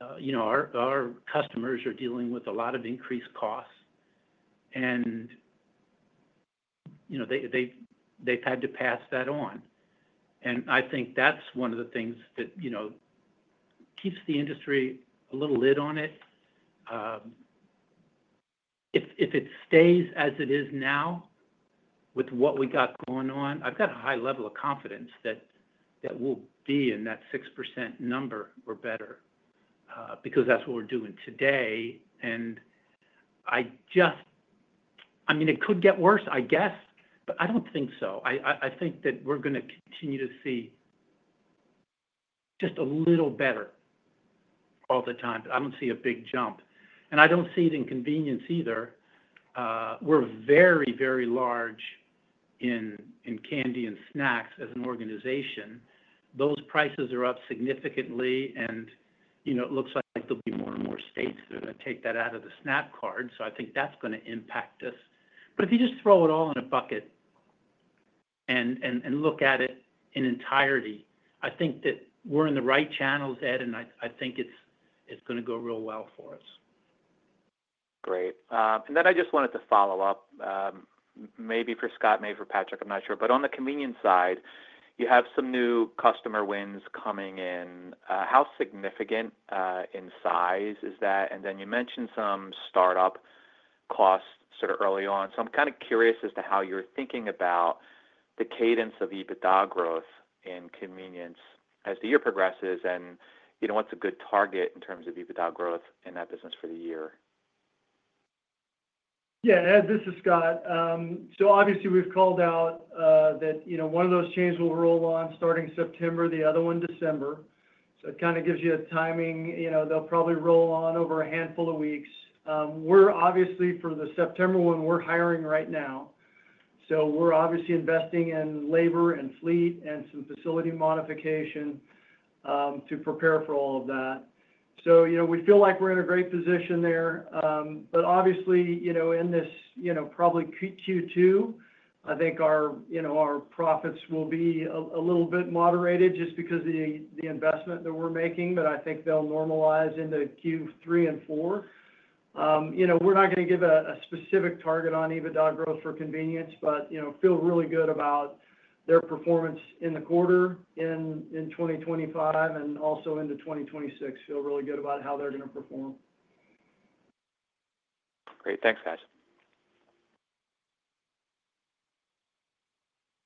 Our customers are dealing with a lot of increased costs, and they've had to pass that on. I think that's one of the things that keeps the industry a little lid on it. If it stays as it is now with what we got going on, I've got a high level of confidence that we'll be in that 6% number or better because that's what we're doing today. I mean, it could get worse, I guess, but I don't think so. I think that we're going to continue to see just a little better all the time, but I don't see a big jump. I don't see it in Convenience either. We're very, very large in candy and snacks as an organization. Those prices are up significantly, and it looks like there'll be more and more states that are going to take that out of the SNAP card. I think that's going to impact us. If you just throw it all in a bucket and look at it in entirety, I think that we're in the right channels, Ed, and I think it's going to go real well for us. Great. I just wanted to follow up, maybe for Scott, maybe for Patrick, I'm not sure, but on the Convenience side, you have some new customer wins coming in. How significant in size is that? You mentioned some startup costs sort of early on. I'm kind of curious as to how you're thinking about the cadence of EBITDA growth in Convenience as the year progresses, and you know, what's a good target in terms of EBITDA growth in that business for the year? Yeah, Ed, this is Scott. Obviously, we've called out that one of those chains will roll on starting September, the other one December. It kind of gives you a timing, they'll probably roll on over a handful of weeks. For the September 1, we're hiring right now. We're investing in labor and fleet and some facility modification to prepare for all of that. We feel like we're in a great position there. In this, probably Q2, I think our profits will be a little bit moderated just because of the investment that we're making. I think they'll normalize into Q3 and Q4. We're not going to give a specific target on EBITDA growth for Convenience, but feel really good about their performance in the quarter in 2025 and also into 2026. Feel really good about how they're going to perform. Great. Thanks, guys.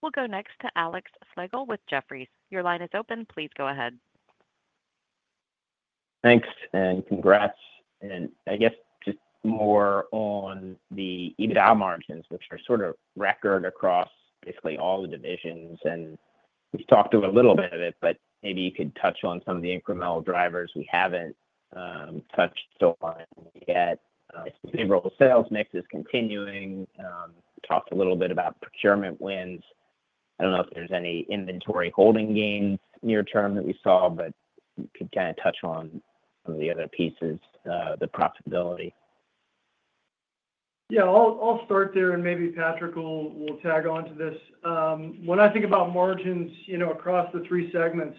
We'll go next to Alexander Slagle with Jefferies. Your line is open. Please go ahead. Thanks, and congrats. I guess just more on the EBITDA margins, which are sort of record across basically all the divisions. We've talked a little bit of it, but maybe you could touch on some of the incremental drivers we haven't touched on yet. It's favorable sales mixes continuing. We talked a little bit about procurement wins. I don't know if there's any inventory holding gains near term that we saw, but you could kind of touch on some of the other pieces, the profitability. Yeah, I'll start there and maybe Patrick will tag on to this. When I think about margins, you know, across the three segments,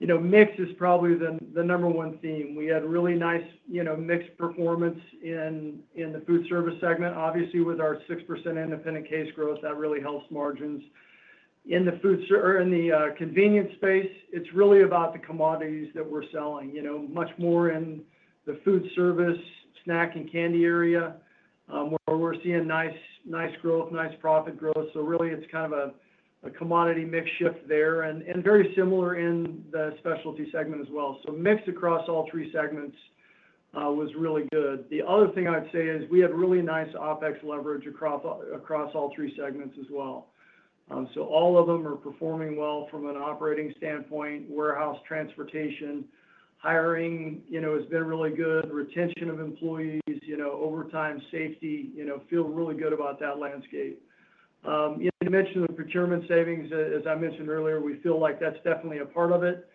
mix is probably the number one theme. We had really nice, you know, mix performance in the Foodservice segment. Obviously, with our 6% independent case growth, that really helps margins. In the food or in the Convenience space, it's really about the commodities that we're selling, you know, much more in the Foodservice, snack, and candy area where we're seeing nice growth, nice profit growth. It's kind of a commodity mix shift there and very similar in the Specialty segment as well. Mix across all three segments was really good. The other thing I would say is we have really nice OpEx leverage across all three segments as well. All of them are performing well from an operating standpoint. Warehouse transportation, hiring, has been really good. Retention of employees, overtime safety, feel really good about that landscape. You mentioned the procurement savings. As I mentioned earlier, we feel like that's definitely a part of it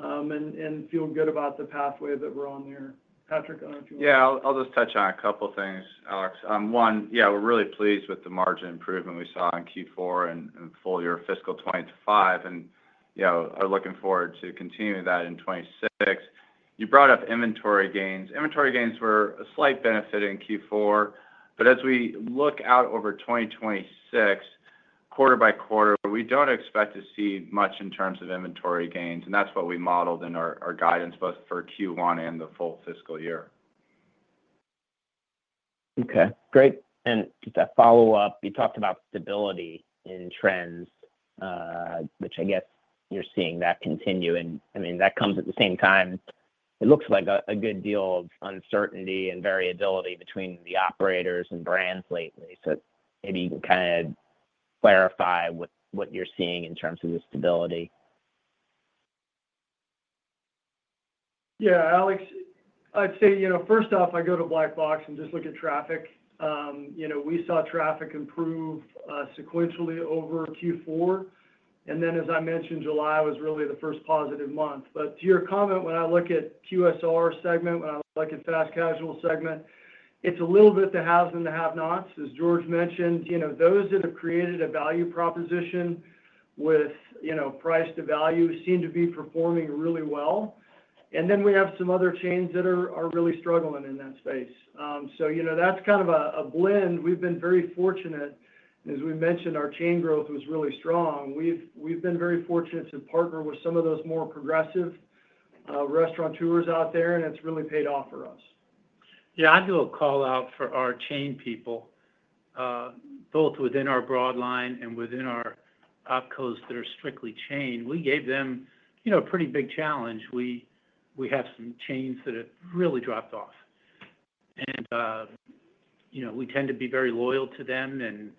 and feel good about the pathway that we're on there. Patrick, I don't know if you want to. Yeah, I'll just touch on a couple of things, Alex. One, yeah, we're really pleased with the margin improvement we saw in Q4 and full-year fiscal 2025, and I'm looking forward to continuing that in 2026. You brought up inventory gains. Inventory gains were a slight benefit in Q4. As we look out over 2026, quarter by quarter, we don't expect to see much in terms of inventory gains. That's what we modeled in our guidance both for Q1 and the full fiscal year. Okay. Great. Just to follow up, you talked about stability in trends, which I guess you're seeing that continue. That comes at the same time, it looks like a good deal of uncertainty and variability between the operators and brands lately. Maybe you can kind of clarify what you're seeing in terms of the stability. Yeah, Alex, I'd say, you know, first off, I go to Black Box and just look at traffic. We saw traffic improve sequentially over Q4. As I mentioned, July was really the first positive month. To your comment, when I look at QSR segment, when I look at Fast Casual segment, it's a little bit the haves and the have-nots. As George mentioned, those that have created a value proposition with price to value seem to be performing really well. We have some other chains that are really struggling in that space. That's kind of a blend. We've been very fortunate. As we mentioned, our chain growth was really strong. We've been very fortunate to partner with some of those more progressive restaurateurs out there, and it's really paid off for us. Yeah, I'd do a call out for our chain people, both within our broadline and within our OpCos that are strictly chain. We gave them, you know, a pretty big challenge. We have some chains that have really dropped off. We tend to be very loyal to them, and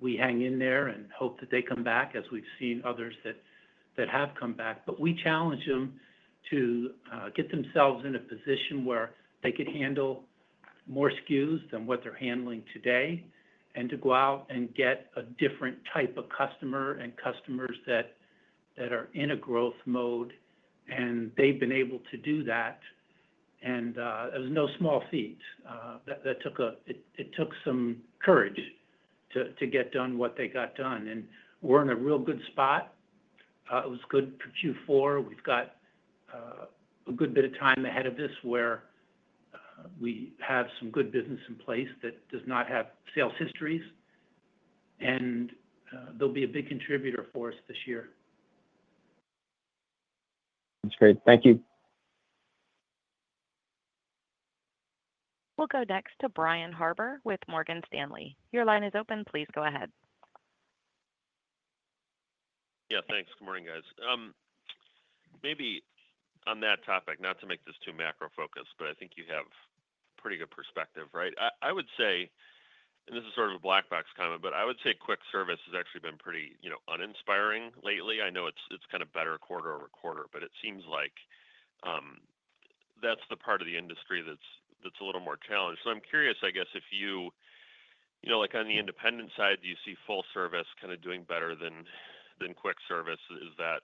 we hang in there and hope that they come back, as we've seen others that have come back. We challenge them to get themselves in a position where they could handle more SKUs than what they're handling today and to go out and get a different type of customer and customers that are in a growth mode. They've been able to do that. It was no small feat. It took some courage to get done what they got done. We're in a real good spot. It was good for Q4. We've got a good bit of time ahead of this where we have some good business in place that does not have sales histories, and they'll be a big contributor for us this year. That's great. Thank you. We'll go next to Brian Harbour with Morgan Stanley. Your line is open. Please go ahead. Yeah, thanks. Good morning, guys. Maybe on that topic, not to make this too macro-focused, but I think you have a pretty good perspective, right? I would say, and this is sort of a Black Box comment, but I would say quick service has actually been pretty, you know, uninspiring lately. I know it's kind of better quarter-over-quarter, but it seems like that's the part of the industry that's a little more challenged. I'm curious, I guess, if you, you know, like on the independent side, do you see full service kind of doing better than quick service? Is that,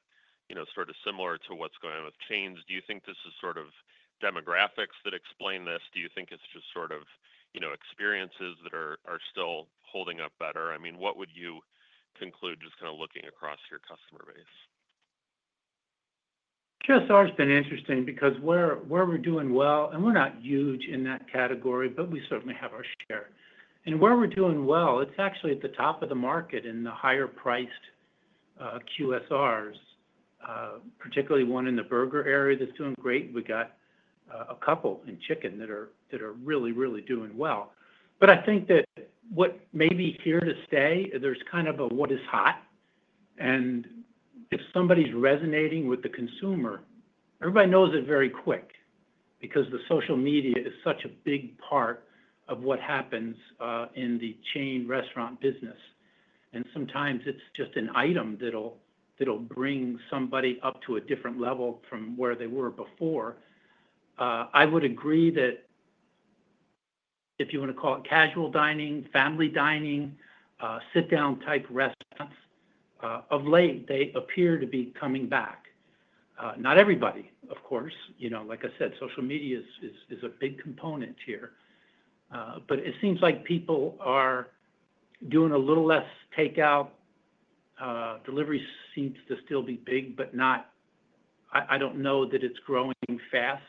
you know, sort of similar to what's going on with chains? Do you think this is sort of demographics that explain this? Do you think it's just sort of, you know, experiences that are still holding up better? I mean, what would you conclude just kind of looking across your customer base? QSR's been interesting because where we're doing well, and we're not huge in that category, but we certainly have our share. Where we're doing well, it's actually at the top of the market in the higher-priced QSRs, particularly one in the burger area that's doing great. We've got a couple in chicken that are really, really doing well. I think that what may be here to stay, there's kind of a what is hot. If somebody's resonating with the consumer, everybody knows it very quick because social media is such a big part of what happens in the chain restaurant business. Sometimes it's just an item that'll bring somebody up to a different level from where they were before. I would agree that if you want to call it casual dining, family dining, sit-down type restaurants, of late, they appear to be coming back. Not everybody, of course. Like I said, social media is a big component here. It seems like people are doing a little less takeout. Delivery seems to still be big, but I don't know that it's growing fast.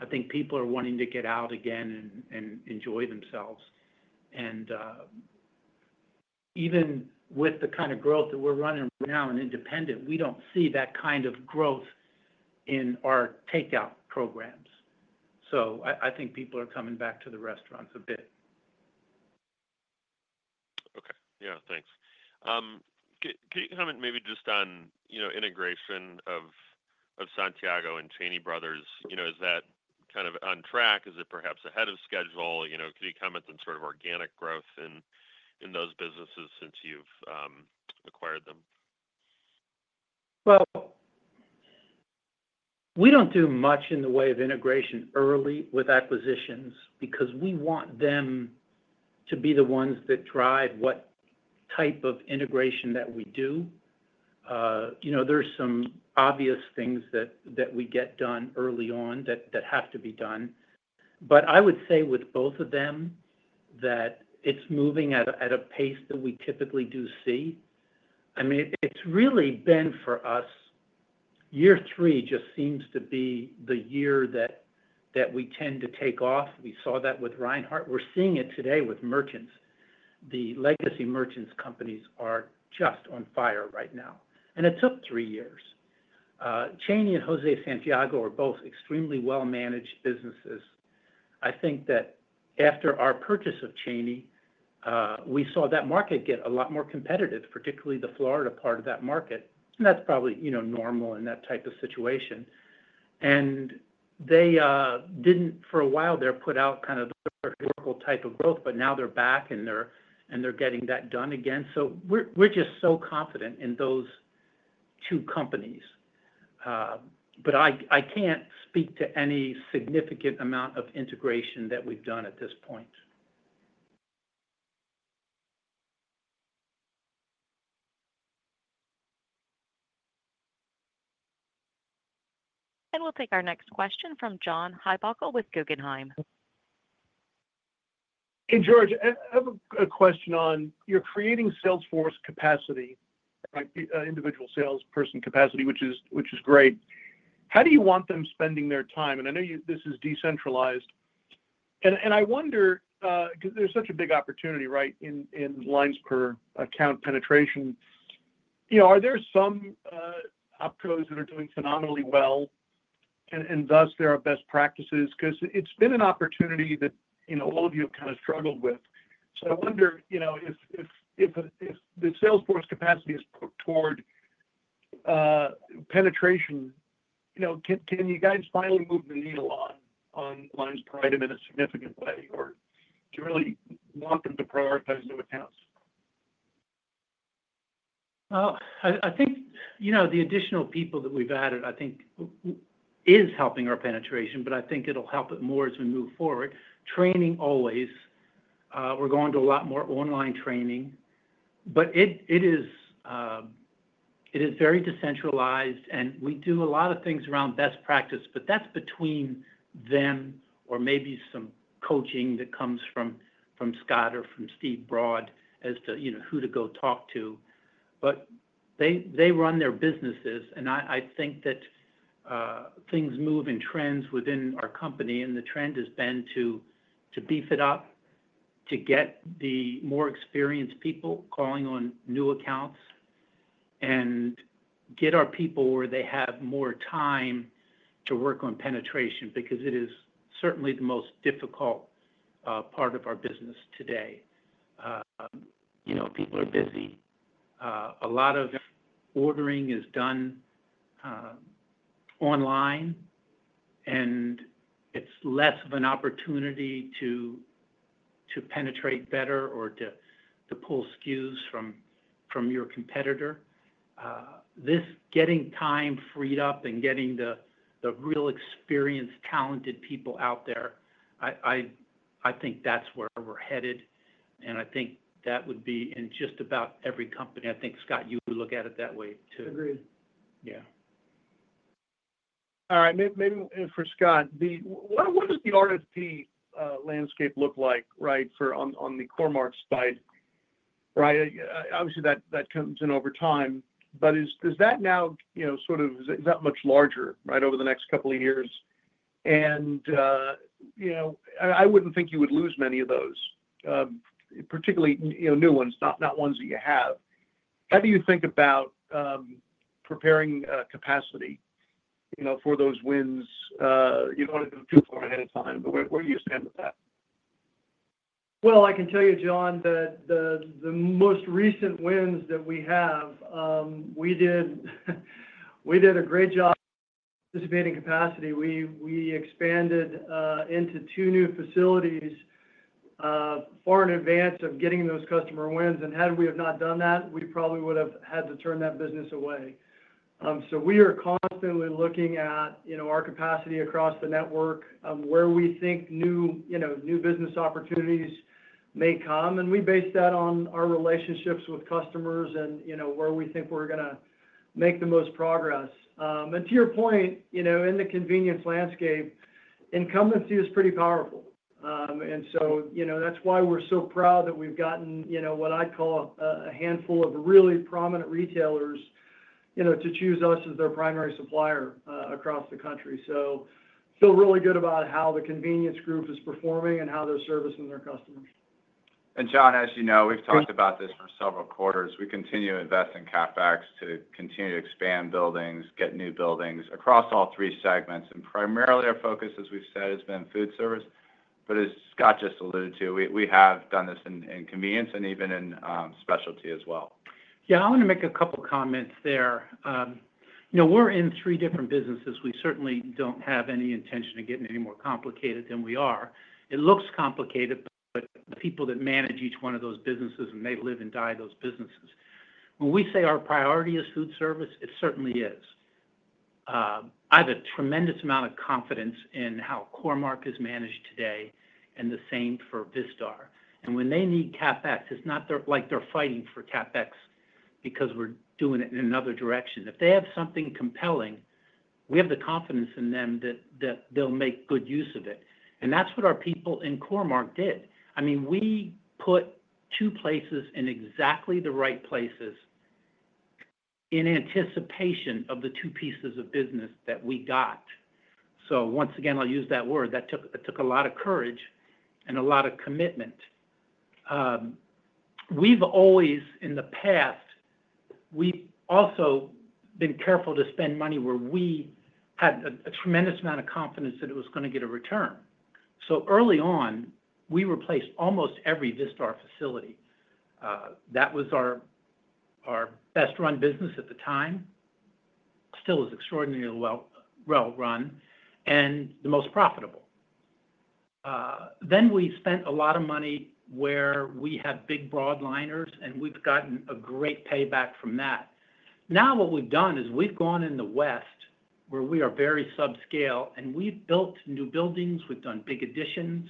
I think people are wanting to get out again and enjoy themselves. Even with the kind of growth that we're running now in independent, we don't see that kind of growth in our takeout programs. I think people are coming back to the restaurants a bit. Okay. Yeah, thanks. Could you comment maybe just on, you know, integration of Santiago and Cheney Brothers? Is that kind of on track? Is it perhaps ahead of schedule? Could you comment on sort of organic growth in those businesses since you've acquired them? We don't do much in the way of integration early with acquisitions because we want them to be the ones that drive what type of integration that we do. There are some obvious things that we get done early on that have to be done. I would say with both of them that it's moving at a pace that we typically do see. It's really been for us. Year three just seems to be the year that we tend to take off. We saw that with Reinhart. We're seeing it today with Merchants. The legacy Merchants companies are just on fire right now, and it took three years. Cheney Brothers and José Santiago are both extremely well-managed businesses. I think that after our purchase of Cheney, we saw that market get a lot more competitive, particularly the Florida part of that market. That's probably normal in that type of situation. They didn't, for a while there, put out kind of a vertical type of growth, but now they're back and they're getting that done again. We're just so confident in those two companies. I can't speak to any significant amount of integration that we've done at this point. We'll take our next question from John Heinbockel with Guggenheim. Hey, George. I have a question on your creating salesforce capacity, right, individual salesperson capacity, which is great. How do you want them spending their time? I know this is decentralized. I wonder, because there's such a big opportunity in lines per account penetration. Are there some OpCos that are doing phenomenally well and thus there are best practices? It's been an opportunity that all of you have kind of struggled with. I wonder if the salesforce capacity is put toward penetration, can you guys finally move the needle on lines per item in a significant way? Do you really want them to prioritize new accounts? I think the additional people that we've added is helping our penetration, but I think it'll help it more as we move forward. Training always. We're going to a lot more online training. It is very decentralized, and we do a lot of things around best practice, but that's between them or maybe some coaching that comes from Scott or from Steve Broad as to who to go talk to. They run their businesses, and I think that things move and trends within our company, and the trend has been to beef it up, to get the more experienced people calling on new accounts, and get our people where they have more time to work on penetration because it is certainly the most difficult part of our business today. People are busy. A lot of ordering is done online, and it's less of an opportunity to penetrate better or to pull SKUs from your competitor. This getting time freed up and getting the real experienced, talented people out there, I think that's where we're headed. I think that would be in just about every company. I think, Scott, you would look at it that way too. Agreed. Yeah. All right. Maybe for Scott, what does the RFP landscape look like for on the Core-Mark side, right? Obviously, that comes in over time, but does that now, you know, sort of is that much larger over the next couple of years? You know, I wouldn't think you would lose many of those, particularly new ones, not ones that you have. How do you think about preparing capacity for those wins in order to move forward ahead of time? Where do you stand with that? I can tell you, John, that the most recent wins that we have, we did a great job of participating in capacity. We expanded into two new facilities far in advance of getting those customer wins. Had we not done that, we probably would have had to turn that business away. We are constantly looking at our capacity across the network, where we think new business opportunities may come. We base that on our relationships with customers and where we think we're going to make the most progress. To your point, in the Convenience landscape, incumbency is pretty powerful. That's why we're so proud that we've gotten what I call a handful of really prominent retailers to choose us as their primary supplier across the country. I feel really good about how the Convenience group is performing and how they're servicing their customers. John, as you know, we've talked about this for several quarters. We continue to invest in CapEx to continue to expand buildings, get new buildings across all three segments. Primarily, our focus, as we've said, has been Foodservice. As Scott just alluded to, we have done this in Convenience and even in Specialty as well. Yeah, I want to make a couple of comments there. You know, we're in three different businesses. We certainly don't have any intention of getting any more complicated than we are. It looks complicated, but the people that manage each one of those businesses may live and die in those businesses. When we say our priority is Foodservice, it certainly is. I have a tremendous amount of confidence in how Core-Mark is managed today, and the same for Vistar. When they need CapEx, it's not like they're fighting for CapEx because we're doing it in another direction. If they have something compelling, we have the confidence in them that they'll make good use of it. That's what our people in Core-Mark did. I mean, we put two places in exactly the right places in anticipation of the two pieces of business that we got. Once again, I'll use that word. That took a lot of courage and a lot of commitment. We've always, in the past, also been careful to spend money where we had a tremendous amount of confidence that it was going to get a return. Early on, we replaced almost every Vistar facility. That was our best-run business at the time. Still is extraordinarily well run and the most profitable. We spent a lot of money where we have big broadliners, and we've gotten a great payback from that. Now what we've done is we've gone in the West where we are very subscale, and we've built new buildings. We've done big additions.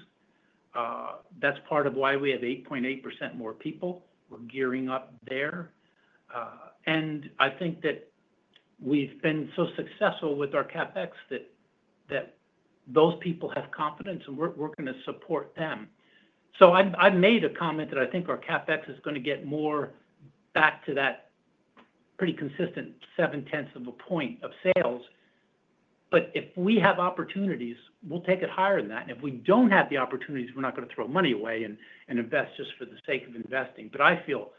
That's part of why we have 8.8% more people. We're gearing up there. I think that we've been so successful with our CapEx that those people have confidence, and we're going to support them. I made a comment that I think our CapEx is going to get more back to that pretty consistent seven-tenths of a point of sales. If we have opportunities, we'll take it higher than that. If we don't have the opportunities, we're not going to throw money away and invest just for the sake of investing. I feel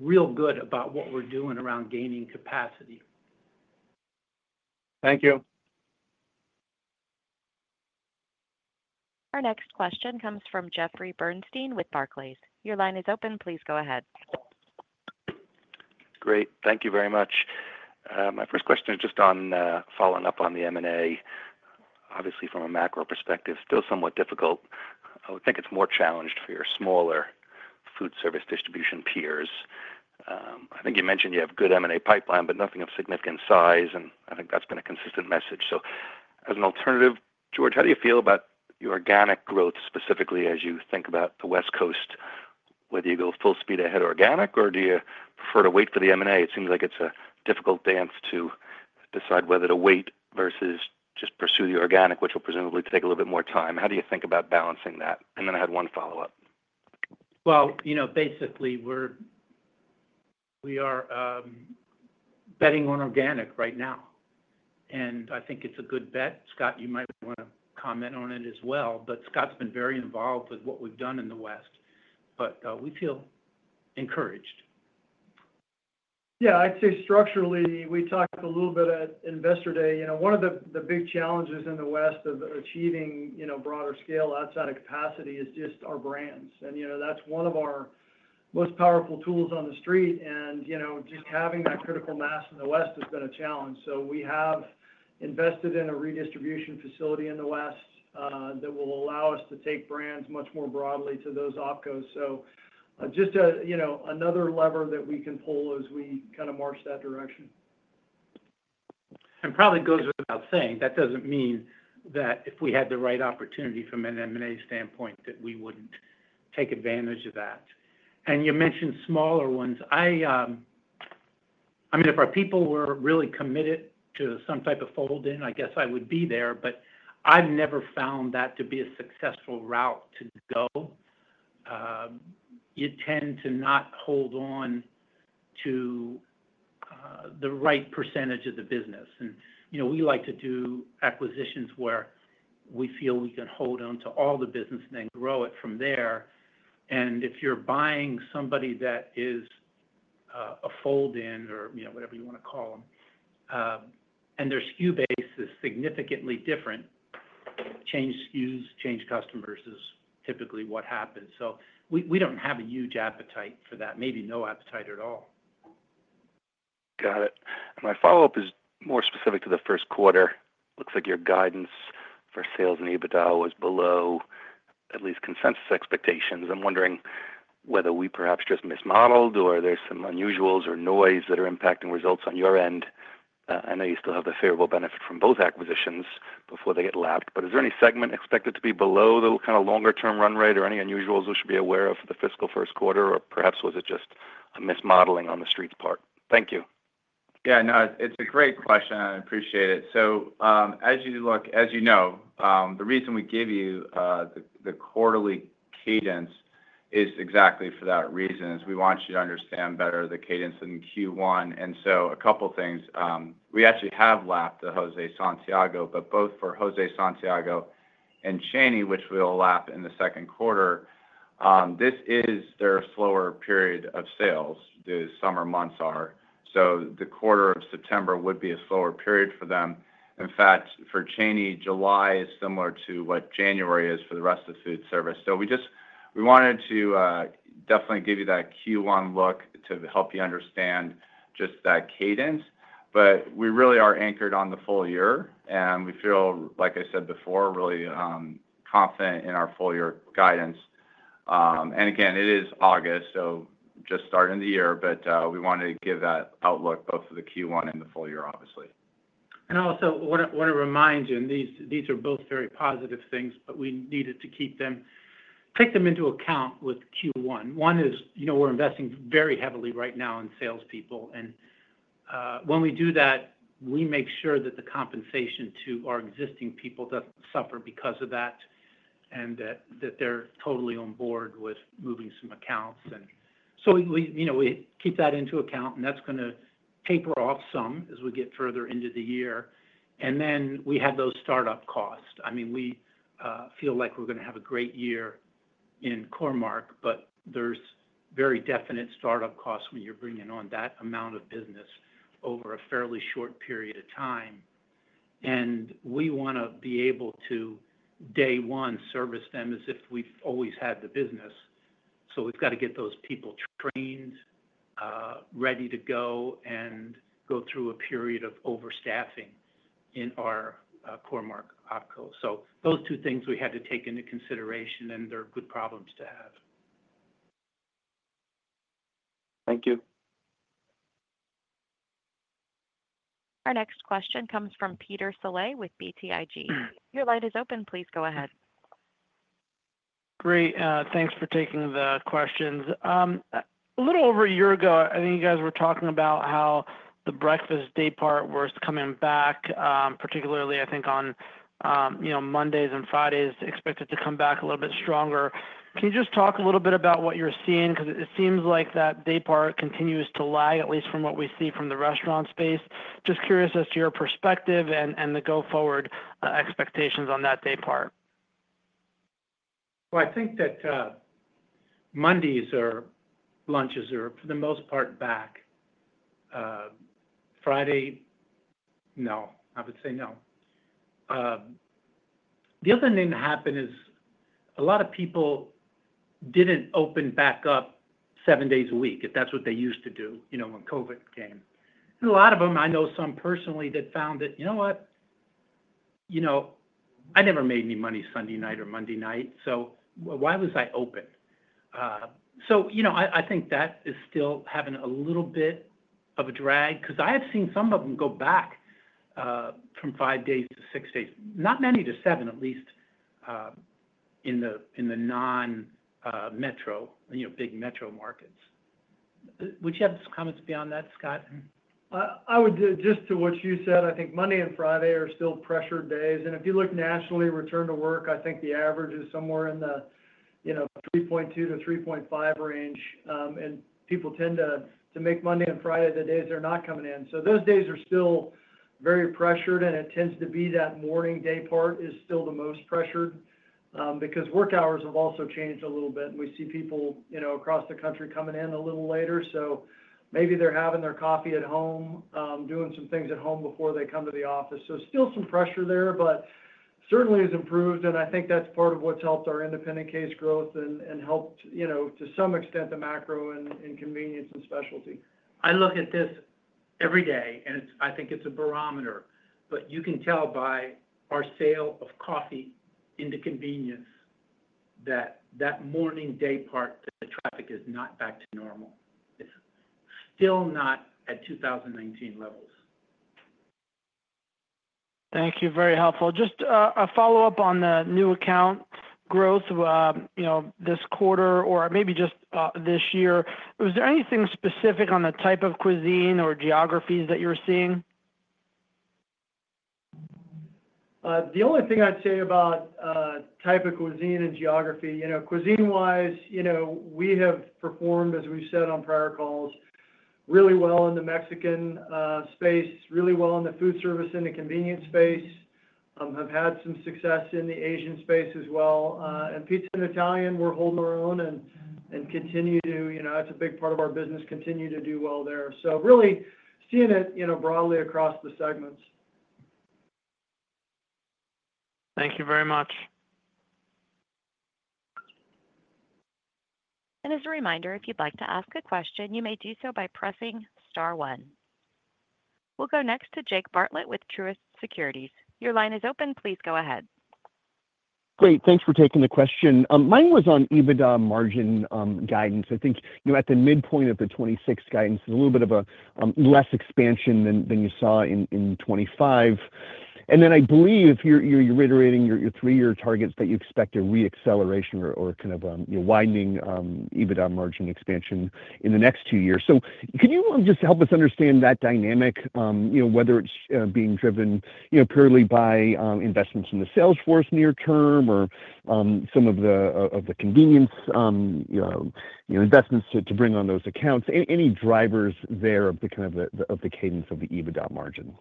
real good about what we're doing around gaining capacity. Thank you. Our next question comes from Jeffrey Bernstein with Barclays. Your line is open. Please go ahead. Great. Thank you very much. My first question is just on following up on the M&A. Obviously, from a macro perspective, still somewhat difficult. I would think it's more challenged for your smaller Foodservice distribution tiers. I think you mentioned you have a good M&A pipeline, but nothing of significant size, and I think that's been a consistent message. As an alternative, George, how do you feel about your organic growth specifically as you think about the West, whether you go full speed ahead organic, or do you prefer to wait for the M&A? It seems like it's a difficult dance to decide whether to wait versus just pursue the organic, which will presumably take a little bit more time. How do you think about balancing that? I had one follow-up. Basically, we're betting on organic right now, and I think it's a good bet. Scott, you might want to comment on it as well. Scott's been very involved with what we've done in the West, and we feel encouraged. Yeah, I'd say structurally, we talked a little bit at Investor Day. One of the big challenges in the West of achieving broader scale outside of capacity is just our brands. That's one of our most powerful tools on the street. Just having that critical mass in the West has been a challenge. We have invested in a redistribution facility in the West that will allow us to take brands much more broadly to those OpCos. Just another lever that we can pull as we kind of march that direction. It probably goes without saying, that doesn't mean that if we had the right opportunity from an M&A standpoint, we wouldn't take advantage of that. You mentioned smaller ones. If our people were really committed to some type of fold-in, I guess I would be there, but I've never found that to be a successful route to go. You tend to not hold on to the right percentage of the business. We like to do acquisitions where we feel we can hold on to all the business and then grow it from there. If you're buying somebody that is a fold-in or, you know, whatever you want to call them, and their SKU base is significantly different, change SKUs, change customers is typically what happens. We don't have a huge appetite for that, maybe no appetite at all. Got it. And my follow-up is more specific to the first quarter. Looks like your guidance for sales and EBITDA was below at least consensus expectations. I'm wondering whether we perhaps just mismodeled or there's some unusuals or noise that are impacting results on your end. I know you still have the favorable benefit from both acquisitions before they get lapped, but is there any segment expected to be below the kind of longer-term run rate or any unusuals we should be aware of in the fiscal first quarter, or perhaps was it just a mismodeling on the street's part? Thank you. Yeah. No, it's a great question. I appreciate it. As you look, as you know, the reason we give you the quarterly cadence is exactly for that reason, we want you to understand better the cadence in Q1. A couple of things. We actually have lapped the José Santiago, but both for José Santiago and Cheney, which we'll lap in the second quarter, this is their slower period of sales. The summer months are. The quarter of September would be a slower period for them. In fact, for Cheney, July is similar to what January is for the rest of the Foodservice. We wanted to definitely give you that Q1 look to help you understand just that cadence. We really are anchored on the full year, and we feel, like I said before, really confident in our full-year guidance. Again, it is August, so just starting the year, but we wanted to give that outlook both for the Q1 and the full year, obviously. I also want to remind you, and these are both very positive things, but we needed to take them into account with Q1. One is, you know, we're investing very heavily right now in salespeople. When we do that, we make sure that the compensation to our existing people doesn't suffer because of that and that they're totally on board with moving some accounts. We keep that into account, and that's going to taper off some as we get further into the year. We have those startup costs. We feel like we're going to have a great year in Core-Mark, but there's very definite startup costs when you're bringing on that amount of business over a fairly short period of time. We want to be able to, day one, service them as if we've always had the business. We've got to get those people trained, ready to go, and go through a period of overstaffing in our Core-Mark OpCo. Those two things we had to take into consideration, and they're good problems to have. Thank you. Our next question comes from Peter Saleh with BTIG. Your line is open. Please go ahead. Great. Thanks for taking the questions. A little over a year ago, I think you guys were talking about how the breakfast day part was coming back, particularly, I think, on Mondays and Fridays, expected to come back a little bit stronger. Can you just talk a little bit about what you're seeing? Because it seems like that day part continues to lag, at least from what we've seen. restaurant space. Just curious as to your perspective and the go-forward expectations on that day part. I think that Mondays or lunches are, for the most part, back. Friday, no, I would say no. The other thing that happened is a lot of people didn't open back up seven days a week, if that's what they used to do, you know, when COVID came. A lot of them, I know some personally that found that, you know what? You know, I never made any money Sunday night or Monday night, so why was I open? I think that is still having a little bit of a drag because I have seen some of them go back from five days to six days, not many to seven, at least in the non-metro, big metro markets. Would you have some comments beyond that, Scott? I would just add to what you said, I think Monday and Friday are still pressured days. If you look nationally, return to work, I think the average is somewhere in the 3.2%-3.5% range. People tend to make Monday and Friday the days they're not coming in. Those days are still very pressured, and it tends to be that morning day part is still the most pressured because work hours have also changed a little bit. We see people across the country coming in a little later. Maybe they're having their coffee at home, doing some things at home before they come to the office. There is still some pressure there, but it certainly has improved. I think that's part of what's helped our independent case growth and helped, to some extent, the macro in Convenience and Specialty. I look at this every day, and I think it's a barometer. You can tell by our sale of coffee in the Convenience that that morning day part, the traffic is not back to normal. It's still not at 2019 levels. Thank you. Very helpful. Just a follow-up on the new account growth this quarter or maybe just this year. Was there anything specific on the type of cuisine or geographies that you're seeing? The only thing I'd say about the type of cuisine and geography, you know, cuisine-wise, we have performed, as we've said on prior calls, really well in the Mexican space, really well in the Foodservice and the Convenience space. We've had some success in the Asian space as well. Pizza and Italian, we're holding our own and continue to, you know, that's a big part of our business, continue to do well there. I've really seen it broadly across the segments. Thank you very much. As a reminder, if you'd like to ask a question, you may do so by pressing star one. We'll go next to Jake Bartlett with Truist Securities. Your line is open. Please go ahead. Great. Thanks for taking the question. Mine was on EBITDA margin guidance. I think, you know, at the midpoint of the 2026 guidance, there's a little bit of a less expansion than you saw in 2025. I believe if you're reiterating your three-year targets that you expect a re-acceleration or kind of widening EBITDA margin expansion in the next two years. Can you just help us understand that dynamic, whether it's being driven purely by investments in the salesforce near term or some of the Convenience investments to bring on those accounts? Any drivers there of the cadence of the EBITDA margin?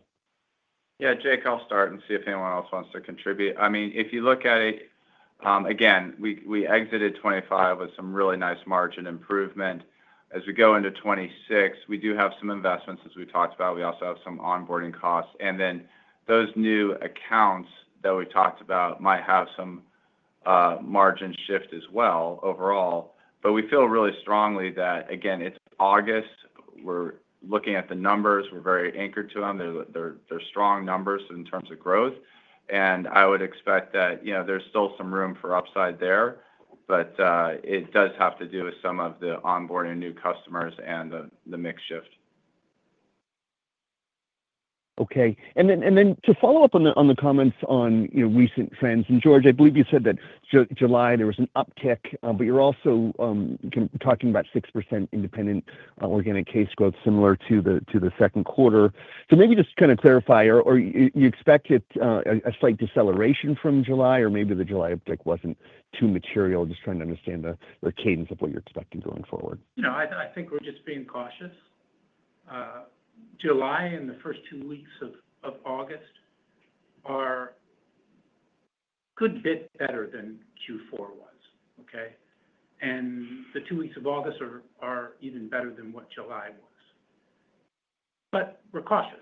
Yeah, Jake, I'll start and see if anyone else wants to contribute. I mean, if you look at it, again, we exited 2025 with some really nice margin improvement. As we go into 2026, we do have some investments as we talked about. We also have some onboarding costs. Those new accounts that we talked about might have some margin shift as well overall. We feel really strongly that, again, it's August. We're looking at the numbers. We're very anchored to them. They're strong numbers in terms of growth. I would expect that, you know, there's still some room for upside there. It does have to do with some of the onboarding of new customers and the mix shift. Okay. To follow up on the comments on recent trends, and George, I believe you said that July, there was an uptick, but you're also talking about 6% independent organic case growth similar to the second quarter. Maybe just clarify, do you expect a slight deceleration from July, or maybe the July uptick wasn't too material? Just trying to understand the cadence of what you're expecting going forward. No, I think we're just being cautious. July and the first two weeks of August are a good bit better than Q4 was. The two weeks of August are even better than what July was. We're cautious.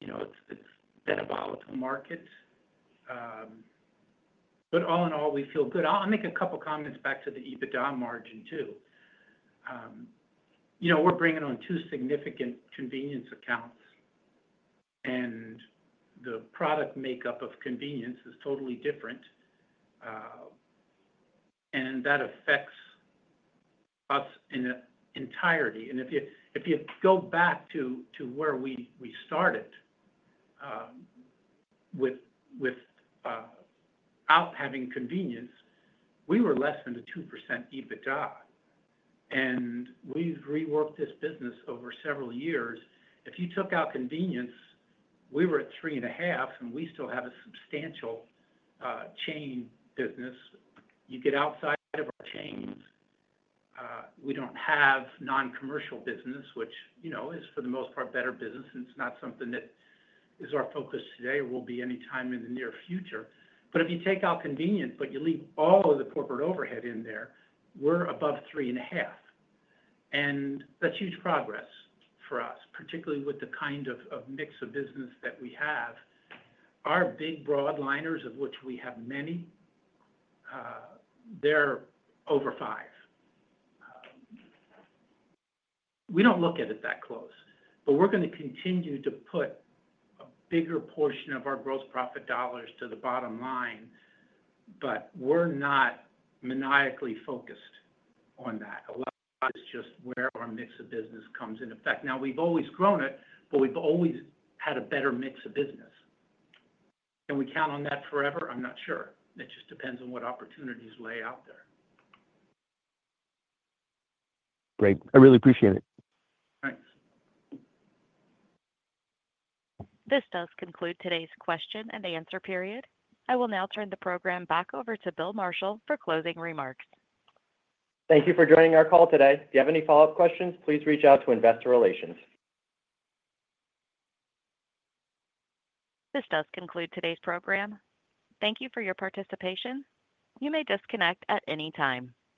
You know, it's been about market. All in all, we feel good. I'll make a couple of comments back to the EBITDA margin too. We're bringing on two significant Convenience accounts, and the product makeup of Convenience is totally different. That affects us in its entirety. If you go back to where we started without having Convenience, we were less than a 2% EBITDA. We've reworked this business over several years. If you took out Convenience, we were at 3.5%, and we still have a substantial chain business. You get outside of our chains. We don't have non-commercial business, which, you know, is for the most part better business. It's not something that is our focus today or will be anytime in the near future. If you take out Convenience, but you leave all of the corporate overhead in there, we're above 3.5%. That's huge progress for us, particularly with the kind of mix of business that we have. Our big broadliners, of which we have many, they're over 5%. We don't look at it that close. We're going to continue to put a bigger portion of our gross profit dollars to the bottom line. We're not maniacally focused on that. A lot is just where our mix of business comes into effect. We've always grown it, but we've always had a better mix of business. Can we count on that forever? I'm not sure. It just depends on what opportunities lay out there. Great. I really appreciate it. This does conclude today's question and answer period. I will now turn the program back over to Bill Marshall for closing remarks. Thank you for joining our call today. If you have any follow-up questions, please reach out to Investor Relations. This does conclude today's program. Thank you for your participation. You may disconnect at any time.